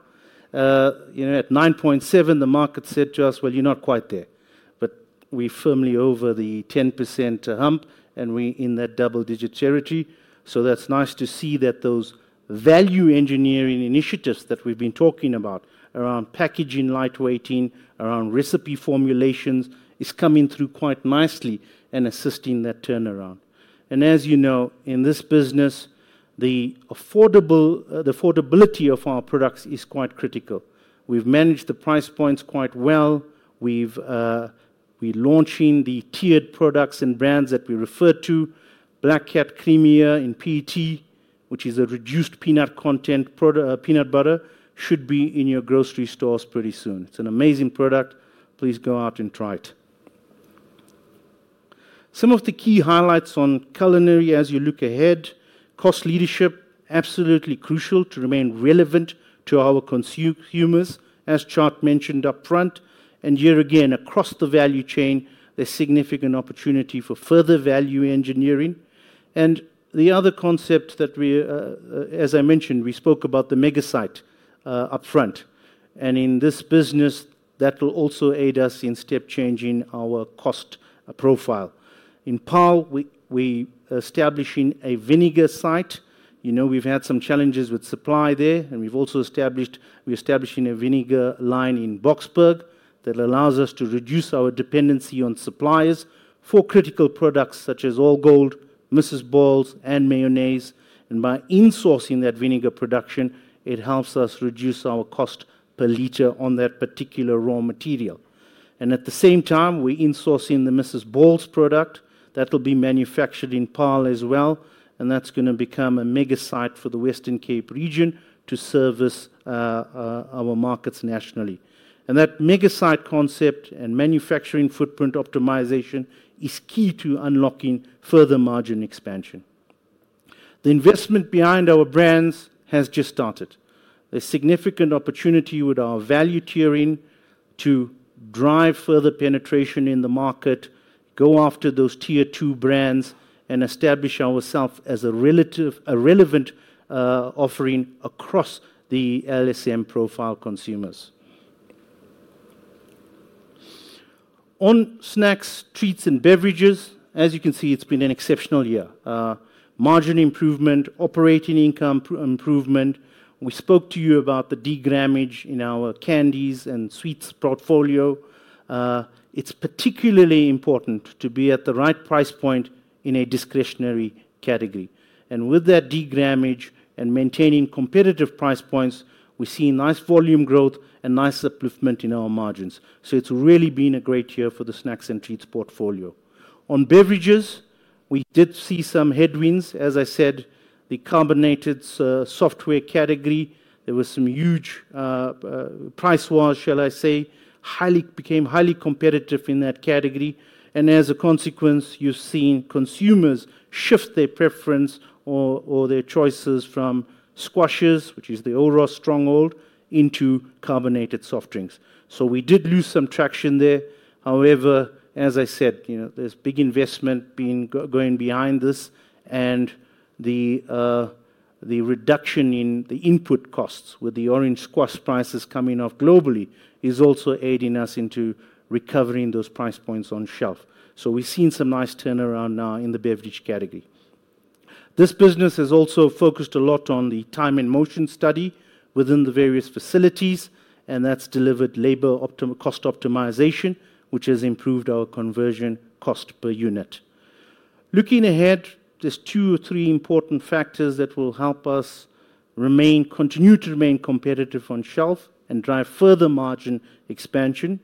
At 9.7, the market said to us, "Well, you're not quite there." But we're firmly over the 10% hump, and we're in that double-digit territory. So that's nice to see that those value engineering initiatives that we've been talking about around packaging, lightweighting, around recipe formulations is coming through quite nicely and assisting that turnaround. And as you know, in this business, the affordability of our products is quite critical. We've managed the price points quite well. We're launching the tiered products and brands that we refer to, Black Cat Creamier in PET, which is a reduced peanut content peanut butter, should be in your grocery stores pretty soon. It's an amazing product. Please go out and try it. Some of the key highlights on culinary as you look ahead, cost leadership, absolutely crucial to remain relevant to our consumers, as Tjaart mentioned upfront. And here again, across the value chain, there's significant opportunity for further value engineering. And the other concept that we, as I mentioned, we spoke about the mega site upfront. And in this business, that will also aid us in step-changing our cost profile. In Pal, we're establishing a vinegar site. We've had some challenges with supply there, and we've also established, we're establishing a vinegar line in Boxberg that allows us to reduce our dependency on suppliers for critical products such as Allgold, Mrs. Balls, and mayonnaise. And by insourcing that vinegar production, it helps us reduce our cost per liter on that particular raw material. And at the same time, we're insourcing the Mrs. Balls product that will be manufactured in Pal as well. And that's going to become a mega site for the Western Cape region to service our markets nationally. And that mega site concept and manufacturing footprint optimization is key to unlocking further margin expansion. The investment behind our brands has just started. There's significant opportunity with our value tiering to drive further penetration in the market, go after those tier two brands, and establish ourselves as a relevant offering across the LSM profile consumers. On snacks, treats, and beverages, as you can see, it's been an exceptional year. Margin improvement, operating income improvement. We spoke to you about the degramage in our candies and sweets portfolio. It's particularly important to be at the right price point in a discretionary category. And with that degramage and maintaining competitive price points, we see nice volume growth and nice upliftment in our margins. So it's really been a great year for the snacks and treats portfolio. On beverages, we did see some headwinds. As I said, the carbonated software category, there was some huge price wash, shall I say, became highly competitive in that category. And as a consequence, you've seen consumers shift their preference or their choices from squashes, which is the Oro stronghold, into carbonated soft drinks. So we did lose some traction there. However, as I said, there's big investment going behind this. And the reduction in the input costs with the orange squash prices coming off globally is also aiding us into recovering those price points on shelf. So we've seen some nice turnaround now in the beverage category. This business has also focused a lot on the time and motion study within the various facilities, and that's delivered labor cost optimization, which has improved our conversion cost per unit. Looking ahead, there's two or three important factors that will help us continue to remain competitive on shelf and drive further margin expansion.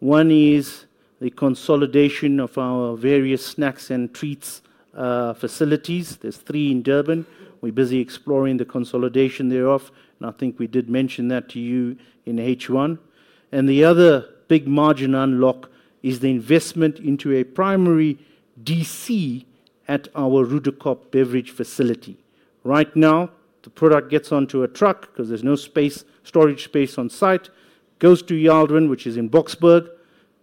One is the consolidation of our various snacks and treats facilities. There's three in Durban. We're busy exploring the consolidation thereof, and I think we did mention that to you in H1. And the other big margin unlock is the investment into a primary DC at our Rudacop beverage facility. Right now, the product gets onto a truck because there's no storage space on site, goes to Yaldwin, which is in Boxberg,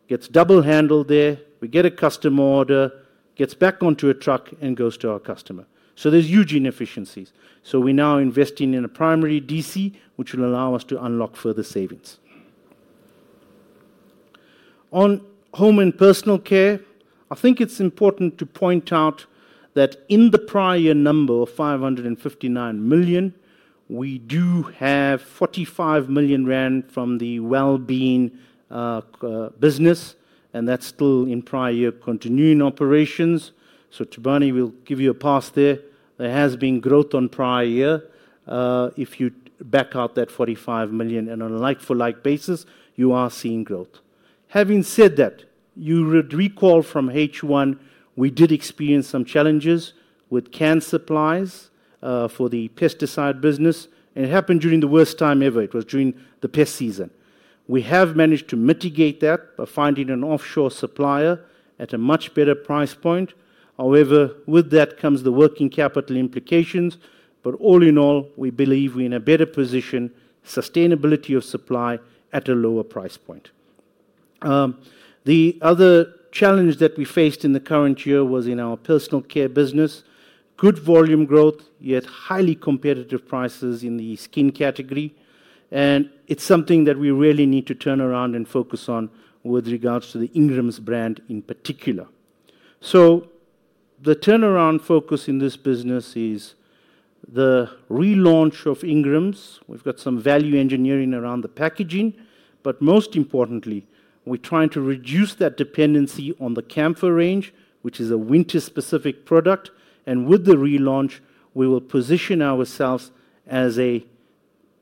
gets double-handled there, we get a customer order, gets back onto a truck, and goes to our customer. So there's huge inefficiencies. So we're now investing in a primary DC, which will allow us to unlock further savings. On home and personal care, I think it's important to point out that in the prior year number of 559 million, we do have 45 million rand from the well-being business, and that's still in prior year continuing operations. So Tubani will give you a pass there. There has been growth on prior year. If you back out that 45 million on a like-for-like basis, you are seeing growth. Having said that, you would recall from H1, we did experience some challenges with canned supplies for the pesticide business. And it happened during the worst time ever. It was during the pest season. We have managed to mitigate that by finding an offshore supplier at a much better price point. However, with that comes the working capital implications. But all in all, we believe we're in a better position, sustainability of supply at a lower price point. The other challenge that we faced in the current year was in our personal care business. Good volume growth, yet highly competitive prices in the skin category. And it's something that we really need to turn around and focus on with regards to the Ingrams brand in particular. So the turnaround focus in this business is the relaunch of Ingrams. We've got some value engineering around the packaging. But most importantly, we're trying to reduce that dependency on the Camphor range, which is a winter-specific product. And with the relaunch, we will position ourselves as a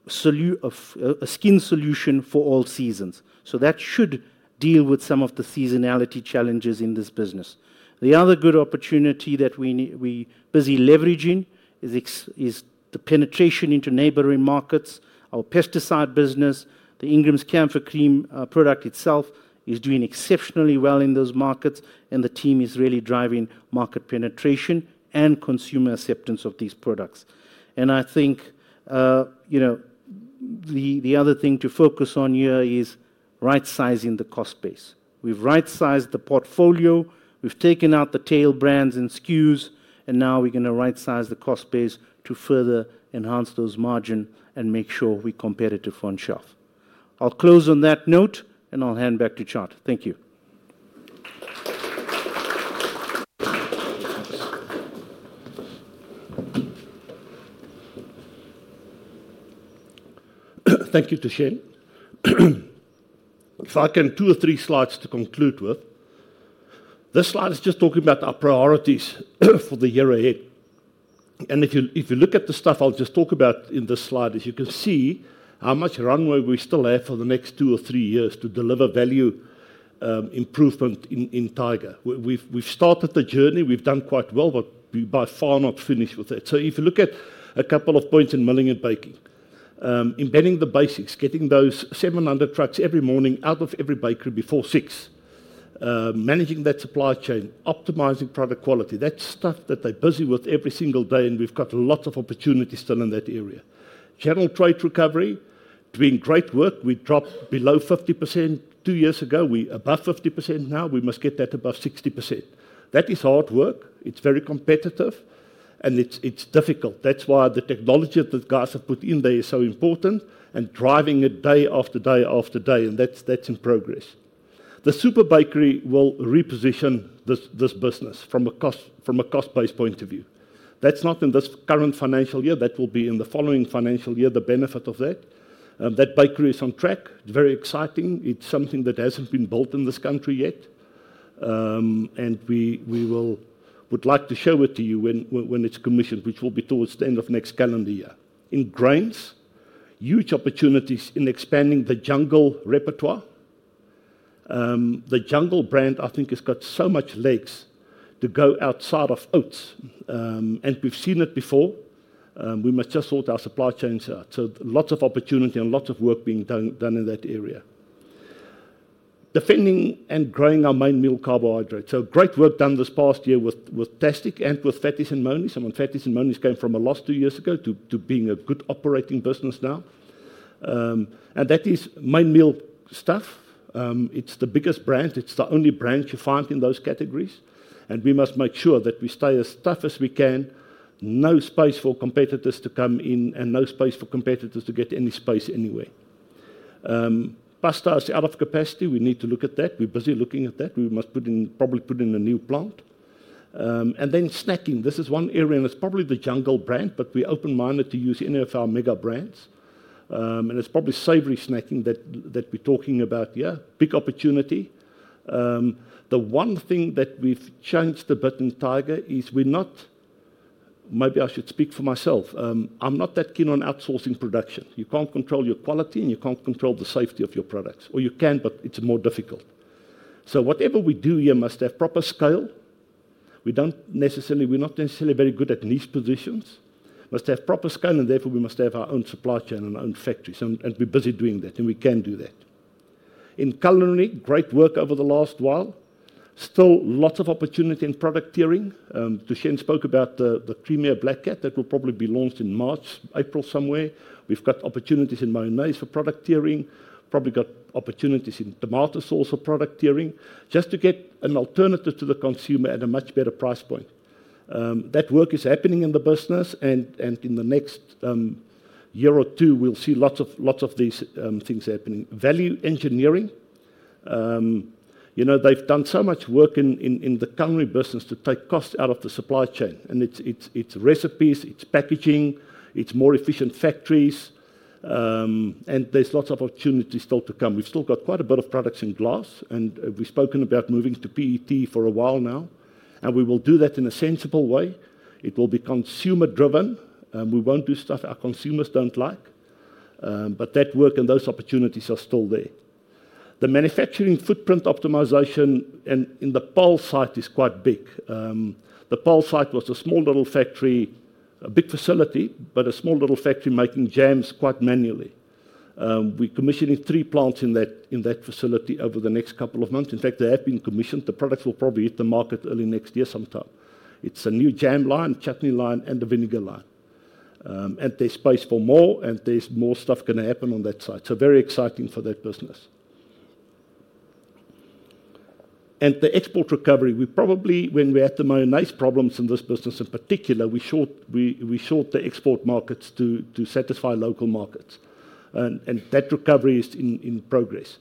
skin solution for all seasons. So that should deal with some of the seasonality challenges in this business. The other good opportunity that we're busy leveraging is the penetration into neighboring markets. Our pesticide business, the Ingrams Camphor Cream product itself, is doing exceptionally well in those markets, and the team is really driving market penetration and consumer acceptance of these products. And I think the other thing to focus on here is right-sizing the cost base. We've right-sized the portfolio. We've taken out the tail brands and SKUs, and now we're going to right-size the cost base to further enhance those margins and make sure we're competitive on shelf. I'll close on that note, and I'll hand back to Tjaart. Thank you. Thank you to Thushen. If I can have two or three slides to conclude with. This slide is just talking about our priorities for the year ahead. And if you look at the stuff I'll just talk about in this slide, you can see how much runway we still have for the next two or three years to deliver value improvement in Tiger. We've started the journey. We've done quite well, but we're by far not finished with it. So if you look at a couple of points in milling and baking, embedding the basics, getting those 700 trucks every morning out of every bakery before six, managing that supply chain, optimizing product quality. That's stuff that they're busy with every single day, and we've got lots of opportunities still in that area. Channel trade recovery, doing great work. We dropped below 50% two years ago. We're above 50% now. We must get that above 60%. That is hard work. It's very competitive, and it's difficult. That's why the technology that guys have put in there is so important and driving it day after day after day, and that's in progress. The Super bakery will reposition this business from a cost-based point of view. That's not in this current financial year. That will be in the following financial year, the benefit of that. That bakery is on track. It's very exciting. It's something that hasn't been built in this country yet. And we would like to show it to you when it's commissioned, which will be towards the end of next calendar year. In grains, huge opportunities in expanding the Jungle repertoire. The Jungle brand, I think, has got so much legs to go outside of oats, and we've seen it before. We must just sort our supply chains out. So lots of opportunity and lots of work being done in that area. Defending and growing our main meal carbohydrates. So great work done this past year with Tastic and with Fattys and Monies. I mean, Fattys and Monies came from a loss two years ago to being a good operating business now. And that is main meal stuff. It's the biggest brand. It's the only brand you find in those categories. And we must make sure that we stay as tough as we can, no space for competitors to come in, and no space for competitors to get any space anywhere. Pasta is out of capacity. We need to look at that. We're busy looking at that. We must probably put in a new plant. And then snacking, this is one area, and it's probably the Jungle brand, but we open-minded to use any of our mega brands. And it's probably savory snacking that we're talking about here. Big opportunity. The one thing that we've changed a bit in Tiger is we're not, maybe I should speak for myself, I'm not that keen on outsourcing production. You can't control your quality, and you can't control the safety of your products. Or you can, but it's more difficult. So whatever we do here must have proper scale. We're not necessarily very good at niche positions. Must have proper scale, and therefore we must have our own supply chain and our own factories. And we're busy doing that, and we can do that. In culinary, great work over the last while. Still lots of opportunity in product tiering. Thushen spoke about the creamier Black Cat that will probably be launched in March, April somewhere. We've got opportunities in mayonnaise for product tiering. Probably got opportunities in tomato sauce for product tiering. Just to get an alternative to the consumer at a much better price point. That work is happening in the business, and in the next year or two, we'll see lots of these things happening. Value engineering. They've done so much work in the culinary business to take cost out of the supply chain. And it's recipes, it's packaging, it's more efficient factories, and there's lots of opportunities still to come. We've still got quite a bit of products in glass, and we've spoken about moving to PET for a while now, and we will do that in a sensible way. It will be consumer-driven. We won't do stuff our consumers don't like. But that work and those opportunities are still there. The manufacturing footprint optimization in the Pal site is quite big. The Pal site was a small little factory, a big facility, but a small little factory making jams quite manually. We're commissioning three plants in that facility over the next couple of months. In fact, they have been commissioned. The products will probably hit the market early next year sometime. It's a new jam line, Chutney line, and a vinegar line. And there's space for more, and there's more stuff going to happen on that side. So very exciting for that business. And the export recovery, we probably, when we're at the mayonnaise problems in this business in particular, we short the export markets to satisfy local markets. And that recovery is in progress.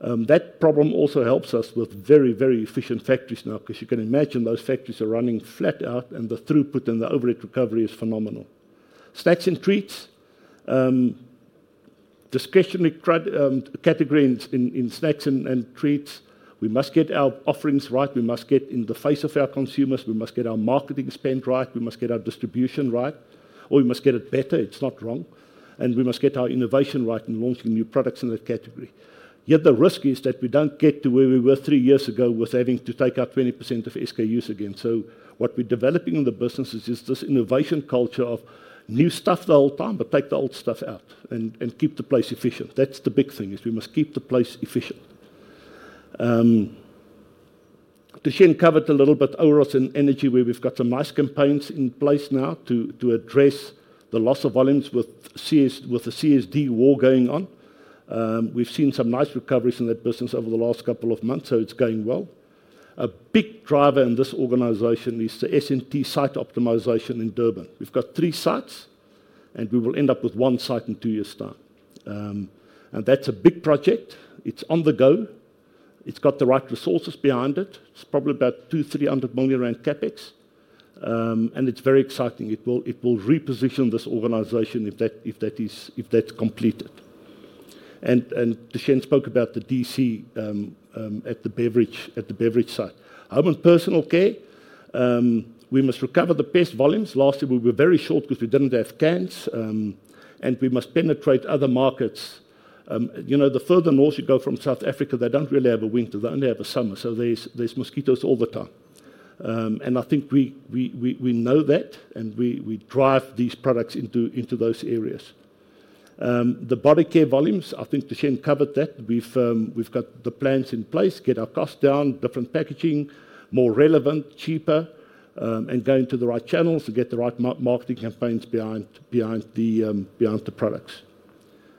That problem also helps us with very, very efficient factories now because you can imagine those factories are running flat out, and the throughput and the overhead recovery is phenomenal. Snacks and treats, discretionary category in snacks and treats. We must get our offerings right. We must get in the face of our consumers. We must get our marketing spend right. We must get our distribution right. Or we must get it better. It's not wrong. And we must get our innovation right in launching new products in that category. Yet the risk is that we don't get to where we were three years ago with having to take out 20% of SKUs again. So what we're developing in the business is this innovation culture of new stuff the whole time, but take the old stuff out and keep the place efficient. That's the big thing is we must keep the place efficient. Thushen covered a little bit Oro and Energy, where we've got some nice campaigns in place now to address the loss of volumes with the CSD war going on. We've seen some nice recoveries in that business over the last couple of months, so it's going well. A big driver in this organization is the S&T site optimization in Durban. We've got three sites, and we will end up with one site in two years' time. And that's a big project. It's on the go. It's got the right resources behind it. It's probably about 200, 300 million rand CapEx. And it's very exciting. It will reposition this organization if that's completed. And Thushen spoke about the DC at the beverage site. Home and personal care, we must recover the pest volumes. Last year, we were very short because we didn't have cans. And we must penetrate other markets. The further north you go from South Africa, they don't really have a winter. They only have a summer. So there's mosquitoes all the time. And I think we know that, and we drive these products into those areas. The body care volumes, I think Thushen covered that. We've got the plans in place, get our costs down, different packaging, more relevant, cheaper, and going to the right channels to get the right marketing campaigns behind the products.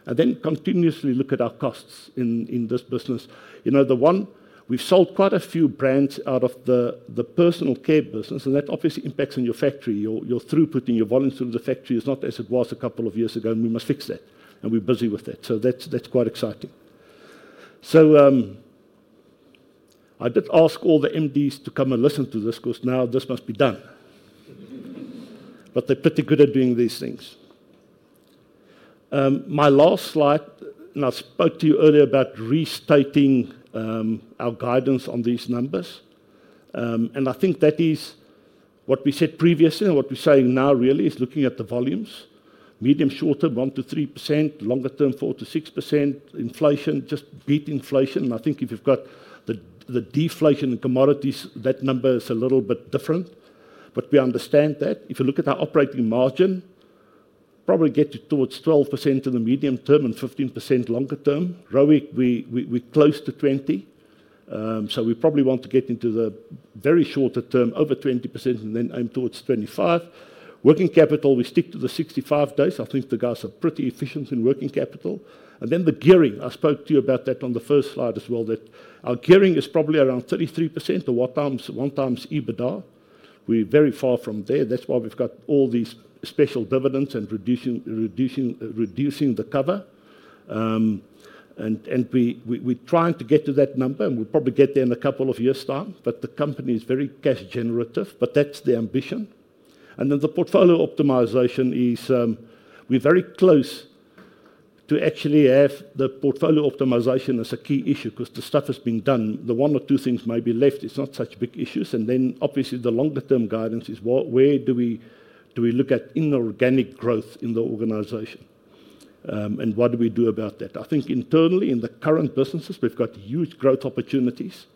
And then continuously look at our costs in this business. The one, we've sold quite a few brands out of the personal care business, and that obviously impacts on your factory. Your throughput and your volume through the factory is not as it was a couple of years ago, and we must fix that. And we're busy with that. So that's quite exciting. So I did ask all the MDs to come and listen to this because now this must be done. But they're pretty good at doing these things. My last slide, and I spoke to you earlier about restating our guidance on these numbers. And I think that is what we said previously, and what we're saying now really is looking at the volumes. Medium-short term, 1%-3%. Longer-term, 4%-6%. Inflation, just beat inflation. And I think if you've got the deflation in commodities, that number is a little bit different. But we understand that. If you look at our operating margin, probably get you towards 12% in the medium term and 15% longer term. ROE, we're close to 20. So we probably want to get into the very shorter term, over 20%, and then aim towards 25. Working capital, we stick to the 65 days. I think the guys are pretty efficient in working capital. And then the gearing, I spoke to you about that on the first slide as well, that our gearing is probably around 33% or one times EBITDA. We're very far from there. That's why we've got all these special dividends and reducing the cover. And we're trying to get to that number, and we'll probably get there in a couple of years' time. But the company is very cash-generative, but that's the ambition. And then the portfolio optimization is we're very close to actually have the portfolio optimization as a key issue because the stuff has been done. The one or two things may be left. It's not such big issues. And then obviously, the longer-term guidance is where do we look at inorganic growth in the organization? And what do we do about that? I think internally, in the current businesses, we've got huge growth opportunities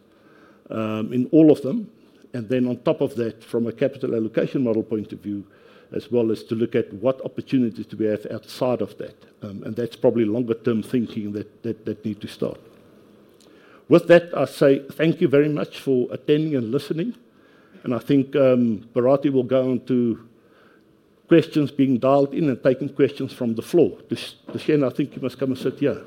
in all of them. And then on top of that, from a capital allocation model point of view, as well as to look at what opportunities do we have outside of that. And that's probably longer-term thinking that needs to start. With that, I say thank you very much for attending and listening. And I think Barati will go on to questions being dialed in and taking questions from the floor. Thushen, I think you must come and sit here.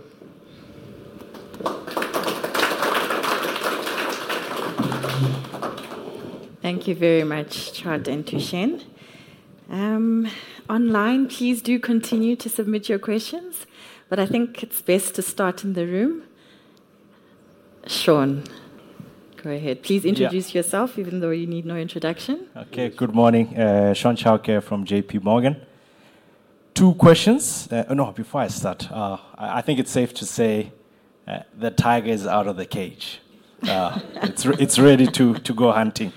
Thank you very much, Chad and Thushen. Online, please do continue to submit your questions, but I think it's best to start in the room. Sean, go ahead. Please introduce yourself, even though you need no introduction. Okay, good morning. Sean Chao here from JP Morgan. Two questions. No, before I start, I think it's safe to say that Tiger is out of the cage. It's ready to go hunting.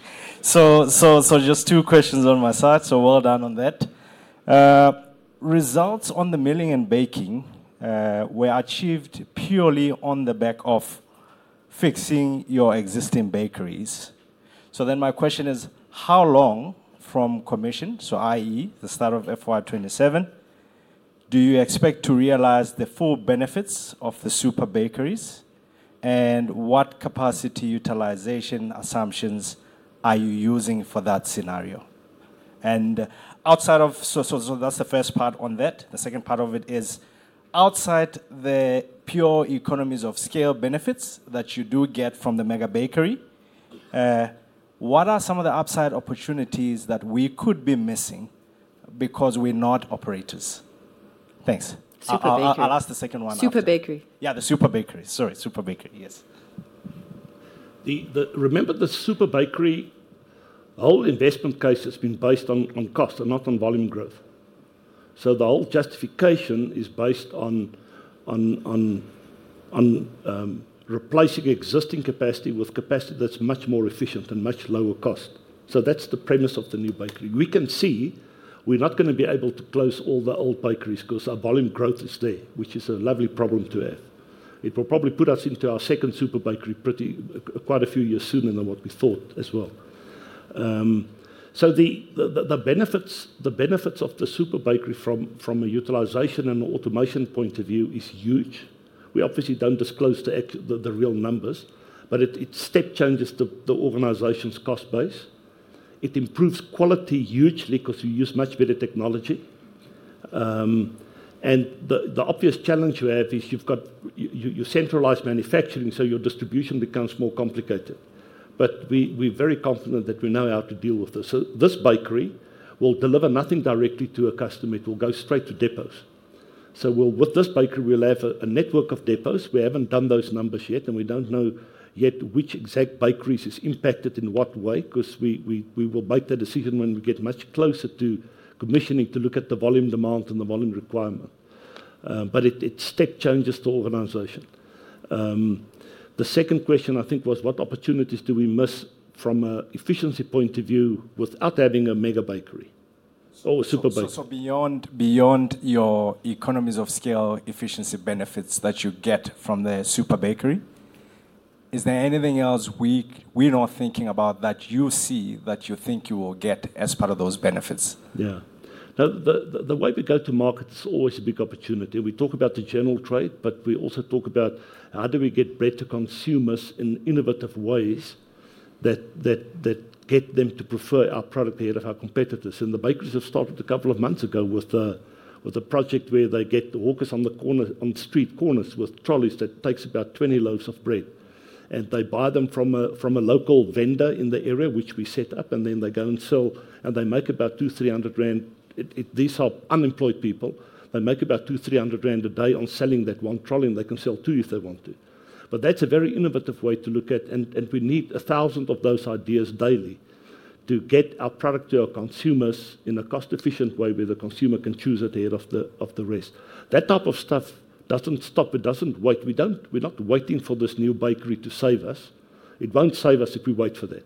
So just two questions on my side. So well done on that. Results on the milling and baking were achieved purely on the back of fixing your existing bakeries. So then my question is, how long from commission, so i.e., the start of FY27, do you expect to realize the full benefits of the super bakeries? And what capacity utilization assumptions are you using for that scenario? And outside of, so that's the first part on that. The second part of it is outside the pure economies of scale benefits that you do get from the mega bakery, what are some of the upside opportunities that we could be missing because we're not operators? Thanks. I'll ask the second one. Super bakery. Yeah, the Super bakery. Sorry, Super bakery, yes. Remember the Super bakery, the whole investment case has been based on cost and not on volume growth. So the whole justification is based on replacing existing capacity with capacity that's much more efficient and much lower cost. So that's the premise of the new bakery. We can see we're not going to be able to close all the old bakeries because our volume growth is there, which is a lovely problem to have. It will probably put us into our second Super bakery quite a few years sooner than what we thought as well. So the benefits of the Super bakery from a utilization and automation point of view is huge. We obviously don't disclose the real numbers, but it step changes the organization's cost base. It improves quality hugely because we use much better technology. And the obvious challenge you have is you've got your centralized manufacturing, so your distribution becomes more complicated. But we're very confident that we know how to deal with this. So this bakery will deliver nothing directly to a customer. It will go straight to depots. So with this bakery, we'll have a network of depots. We haven't done those numbers yet, and we don't know yet which exact bakeries is impacted in what way because we will make that decision when we get much closer to commissioning to look at the volume demand and the volume requirement. But it step changes the organization. The second question, I think, was what opportunities do we miss from an efficiency point of view without having a mega bakery or a Super bakery? So beyond your economies of scale efficiency benefits that you get from the Super bakery, is there anything else we're not thinking about that you see that you think you will get as part of those benefits? Yeah. The way we go to markets is always a big opportunity. We talk about the general trade, but we also talk about how do we get better consumers in innovative ways that get them to prefer our product here of our competitors. And the bakeries have started a couple of months ago with a project where they get the hawkers on the street corners with trolleys that takes about 20 loaves of bread. And they buy them from a local vendor in the area, which we set up, and then they go and sell, and they make about 200, 300 rand. These are unemployed people. They make about 200, 300 rand a day on selling that one trolley, and they can sell two if they want to. But that's a very innovative way to look at, and we need a thousand of those ideas daily to get our product to our consumers in a cost-efficient way where the consumer can choose at the head of the rest. That type of stuff doesn't stop. It doesn't wait. We're not waiting for this new bakery to save us. It won't save us if we wait for that.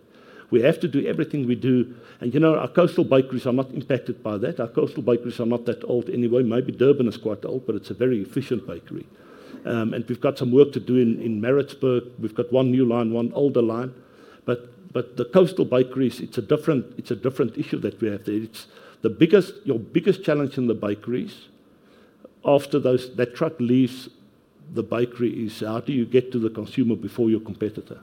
We have to do everything we do. And our coastal bakeries are not impacted by that. Our coastal bakeries are not that old anyway. Maybe Durban is quite old, but it's a very efficient bakery. And we've got some work to do in Maritsburg. We've got one new line, one older line. But the coastal bakeries, it's a different issue that we have there. Your biggest challenge in the bakeries after that truck leaves the bakery is how do you get to the consumer before your competitor?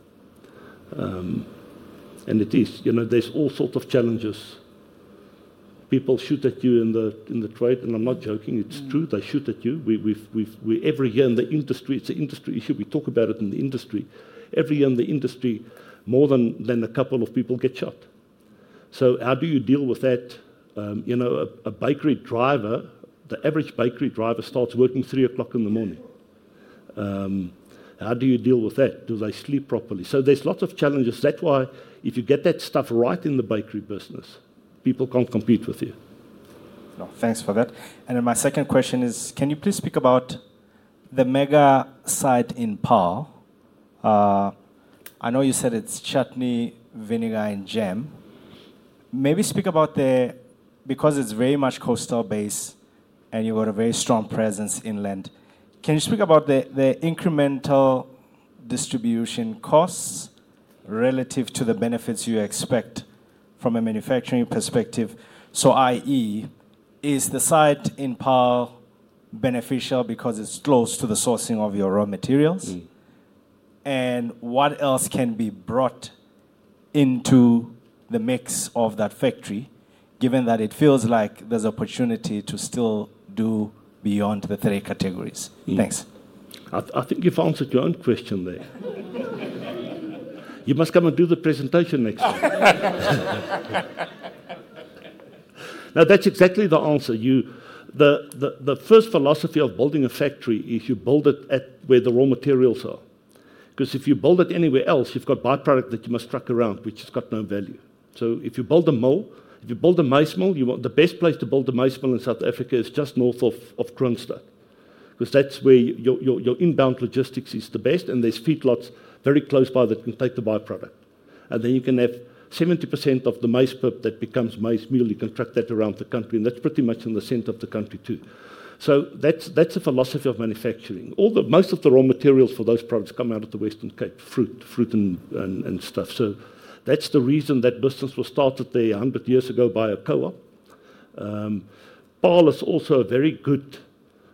And it is. There's all sorts of challenges. People shoot at you in the trade, and I'm not joking. It's true. They shoot at you. Every year in the industry, it's an industry issue. We talk about it in the industry. Every year in the industry, more than a couple of people get shot. So how do you deal with that? A bakery driver, the average bakery driver starts working 3 o'clock in the morning. How do you deal with that? Do they sleep properly? So there's lots of challenges. That's why if you get that stuff right in the bakery business, people can't compete with you. Thanks for that. And then my second question is, can you please speak about the mega site in Paarl? I know you said it's Chutney, vinegar, and jam. Maybe speak about the, because it's very much coastal-based and you've got a very strong presence inland. Can you speak about the incremental distribution costs relative to the benefits you expect from a manufacturing perspective? So i.e., is the site in Paarl beneficial because it's close to the sourcing of your raw materials? And what else can be brought into the mix of that factory, given that it feels like there's opportunity to still do beyond the three categories? Thanks. I think you've answered your own question there. You must come and do the presentation next time. Now, that's exactly the answer. The first philosophy of building a factory is you build it where the raw materials are. Because if you build it anywhere else, you've got byproduct that you must truck around, which has got no value. So if you build a mill, if you build a mace mill, the best place to build a mace mill in South Africa is just north of Kronstadt. Because that's where your inbound logistics is the best, and there's feedlots very close by that can take the byproduct. And then you can have 70% of the mace pulp that becomes mace mill. You can truck that around the country, and that's pretty much in the center of the country too. So that's the philosophy of manufacturing. Most of the raw materials for those products come out of the Western Cape, fruit and stuff. So that's the reason that business was started there 100 years ago by a co-op. Paarl is also a very good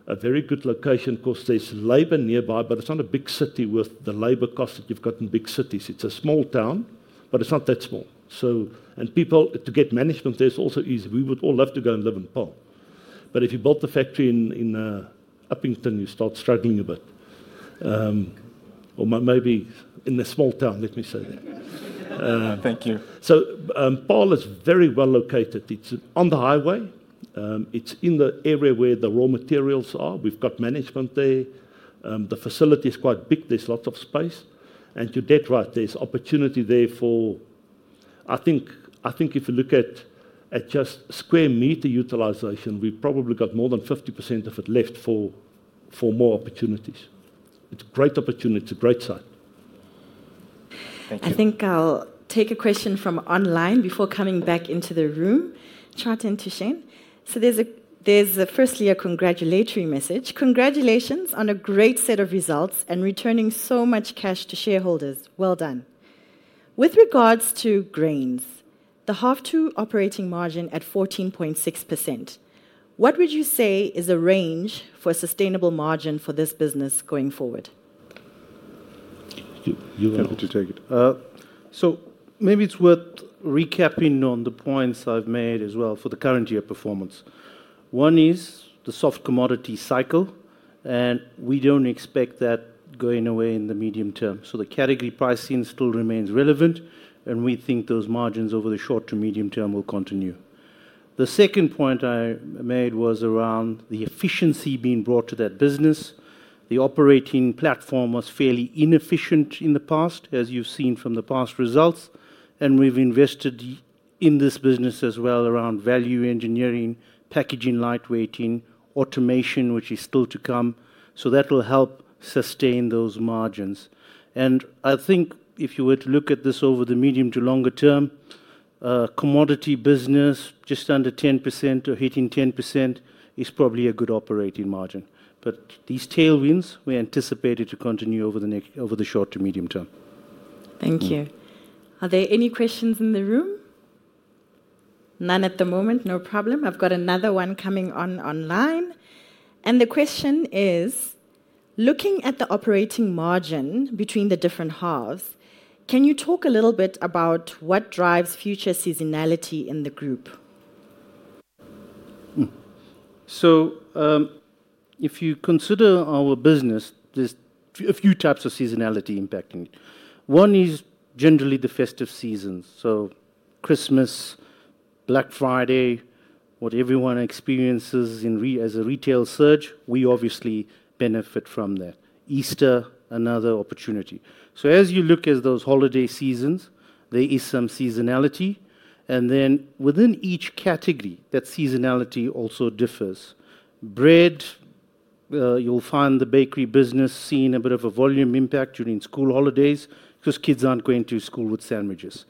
location because there's labor nearby, but it's not a big city with the labor costs that you've got in big cities. It's a small town, but it's not that small. And people, to get management, there's also easy. We would all love to go and live in Paarl. But if you build the factory in Upington, you start struggling a bit. Or maybe in a small town, let me say that. Thank you. So Paarl is very well located. It's on the highway. It's in the area where the raw materials are. We've got management there. The facility is quite big. There's lots of space. And you're dead right. There's opportunity there for, I think if you look at just square meter utilization, we've probably got more than 50% of it left for more opportunities. It's a great opportunity. It's a great site. Thank you. I think I'll take a question from online before coming back into the room. Tjaart and Thushen. So there's a first-year congratulatory message. Congratulations on a great set of results and returning so much cash to shareholders. Well done. With regards to grains, the half-year operating margin at 14.6%, what would you say is a range for sustainable margin for this business going forward? You're welcome to take it. So maybe it's worth recapping on the points I've made as well for the current year performance. One is the soft commodity cycle, and we don't expect that going away in the medium term. So the category pricing still remains relevant, and we think those margins over the short to medium term will continue. The second point I made was around the efficiency being brought to that business. The operating platform was fairly inefficient in the past, as you've seen from the past results. We've invested in this business as well around value engineering, packaging lightweighting, automation, which is still to come. That will help sustain those margins. I think if you were to look at this over the medium to longer term, commodity business, just under 10% or hitting 10% is probably a good operating margin. These tailwinds, we anticipate it to continue over the short to medium term. Thank you. Are there any questions in the room? None at the moment. No problem. I've got another one coming online. The question is, looking at the operating margin between the different halves, can you talk a little bit about what drives future seasonality in the group? If you consider our business, there's a few types of seasonality impacting it. One is generally the festive seasons. Christmas, Black Friday, what everyone experiences as a retail surge, we obviously benefit from that. Easter, another opportunity. As you look at those holiday seasons, there is some seasonality. Within each category, that seasonality also differs. Bread, you'll find the bakery business seeing a bit of a volume impact during school holidays because kids aren't going to school with sandwiches.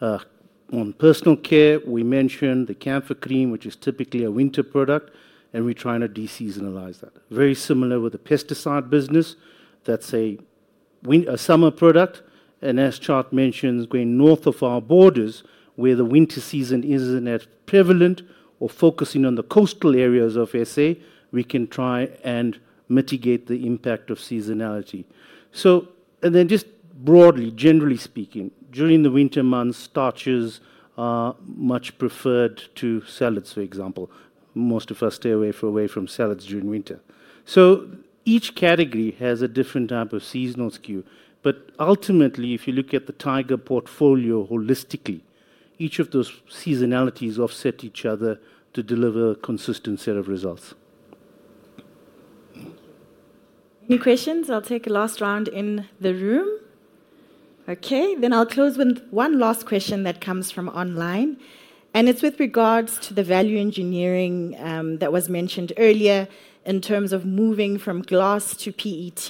On personal care, we mentioned the Camphor Cream, which is typically a winter product, and we're trying to de-seasonalize that. Very similar with the pesticide business. That's a summer product. As Tjaart mentions, going north of our borders, where the winter season isn't as prevalent or focusing on the coastal areas of SA, we can try and mitigate the impact of seasonality. During the winter months, starches are much preferred to salads, for example. Most of us stay away from salads during winter. So each category has a different type of seasonal skew. But ultimately, if you look at the Tiger portfolio holistically, each of those seasonalities offset each other to deliver a consistent set of results. Any questions? I'll take a last round in the room. Okay. I'll close with one last question that comes from online. It's with regards to the value engineering that was mentioned earlier in terms of moving from glass to PET,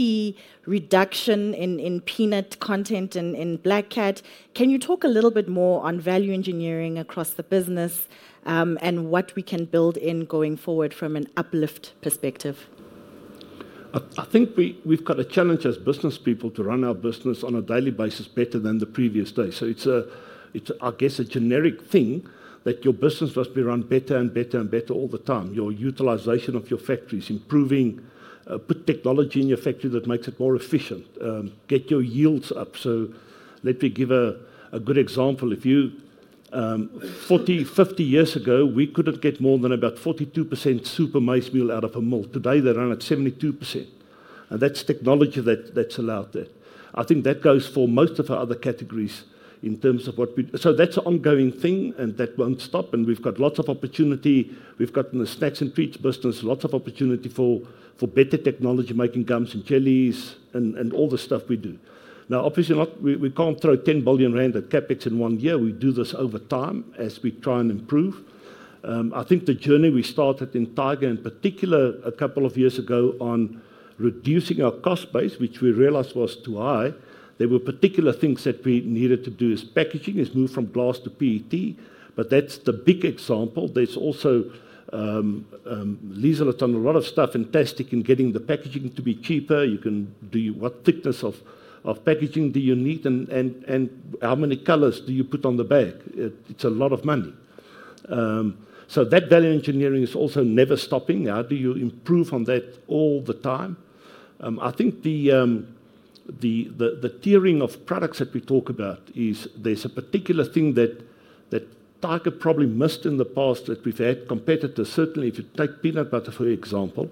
reduction in peanut content in Black Cat. Can you talk a little bit more on value engineering across the business and what we can build in going forward from an uplift perspective? I think we've got a challenge as business people to run our business on a daily basis better than the previous day. So it's, I guess, a generic thing that your business must be run better and better and better all the time. Your utilization of your factories, improving put technology in your factory that makes it more efficient. Get your yields up. So let me give a good example. If you 40, 50 years ago, we couldn't get more than about 42% super mace meal out of a mill. Today, they run at 72%. And that's technology that's allowed that. I think that goes for most of our other categories in terms of what we do. So that's an ongoing thing, and that won't stop. And we've got lots of opportunity. We've got the snacks and treats business, lots of opportunity for better technology making gums and jellies and all the stuff we do. Now, obviously, we can't throw 10 billion rand at CapEx in one year. We do this over time as we try and improve. I think the journey we started in Tiger in particular a couple of years ago on reducing our cost base, which we realized was too high, there were particular things that we needed to do as packaging is moved from glass to PET. But that's the big example. There's also Liesel has done a lot of stuff fantastic in getting the packaging to be cheaper. You can do what thickness of packaging do you need and how many colors do you put on the bag? It's a lot of money. So that value engineering is also never stopping. How do you improve on that all the time? I think the tiering of products that we talk about is there's a particular thing that Tiger probably missed in the past that we've had competitors. Certainly, if you take peanut butter, for example,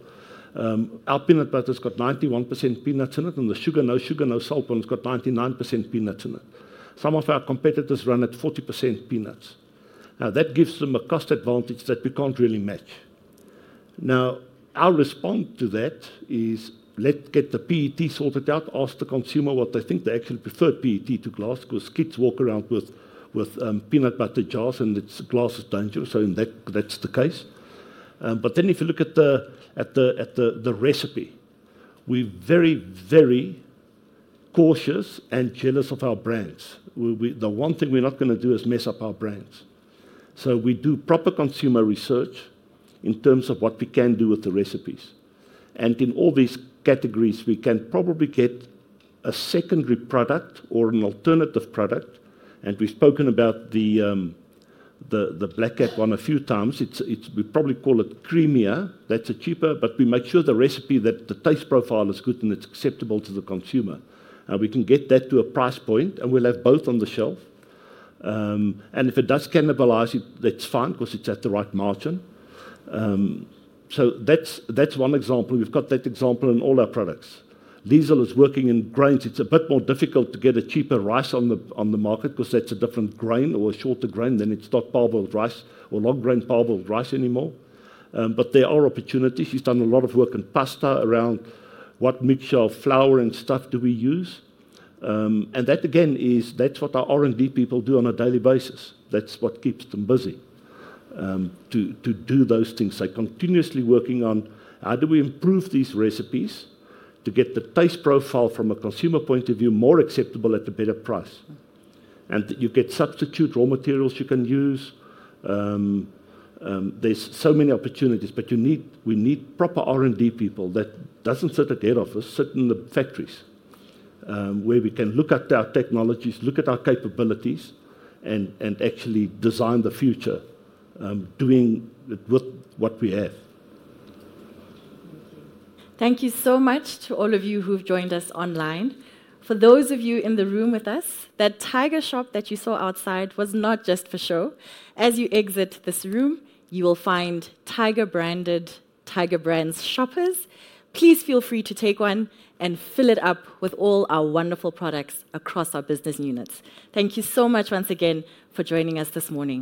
our peanut butter has got 91% peanuts in it, and the sugar, no sugar, no salt one, it's got 99% peanuts in it. Some of our competitors run at 40% peanuts. Now, that gives them a cost advantage that we can't really match. Now, our response to that is, let's get the PET sorted out, ask the consumer what they think. They actually prefer PET to glass because kids walk around with peanut butter jars and it's glass is dangerous. So that's the case. But then if you look at the recipe, we're very, very cautious and jealous of our brands. The one thing we're not going to do is mess up our brands. So we do proper consumer research in terms of what we can do with the recipes. And in all these categories, we can probably get a secondary product or an alternative product. And we've spoken about the Black Cat one a few times. We probably call it creamier. That's a cheaper, but we make sure the recipe, that the taste profile is good and it's acceptable to the consumer. And we can get that to a price point, and we'll have both on the shelf. And if it does cannibalize, that's fine because it's at the right margin. So that's one example. We've got that example in all our products. Liesel is working in grains. It's a bit more difficult to get a cheaper rice on the market because that's a different grain or a shorter grain than it's not parboiled rice or long grain parboiled rice anymore. But there are opportunities. She's done a lot of work in pasta around what mixture of flour and stuff do we use. And that, again, is that's what our R&D people do on a daily basis. That's what keeps them busy to do those things. So continuously working on how do we improve these recipes to get the taste profile from a consumer point of view more acceptable at a better price. And you get substitute raw materials you can use. There's so many opportunities, but we need proper R&D people that doesn't sit at the head office, sit in the factories where we can look at our technologies, look at our capabilities, and actually design the future doing with what we have. Thank you so much to all of you who've joined us online. For those of you in the room with us, that Tiger shop that you saw outside was not just for show. As you exit this room, you will find Tiger branded Tiger Brands shoppers. Please feel free to take one and fill it up with all our wonderful products across our business units. Thank you so much once again for joining us this morning.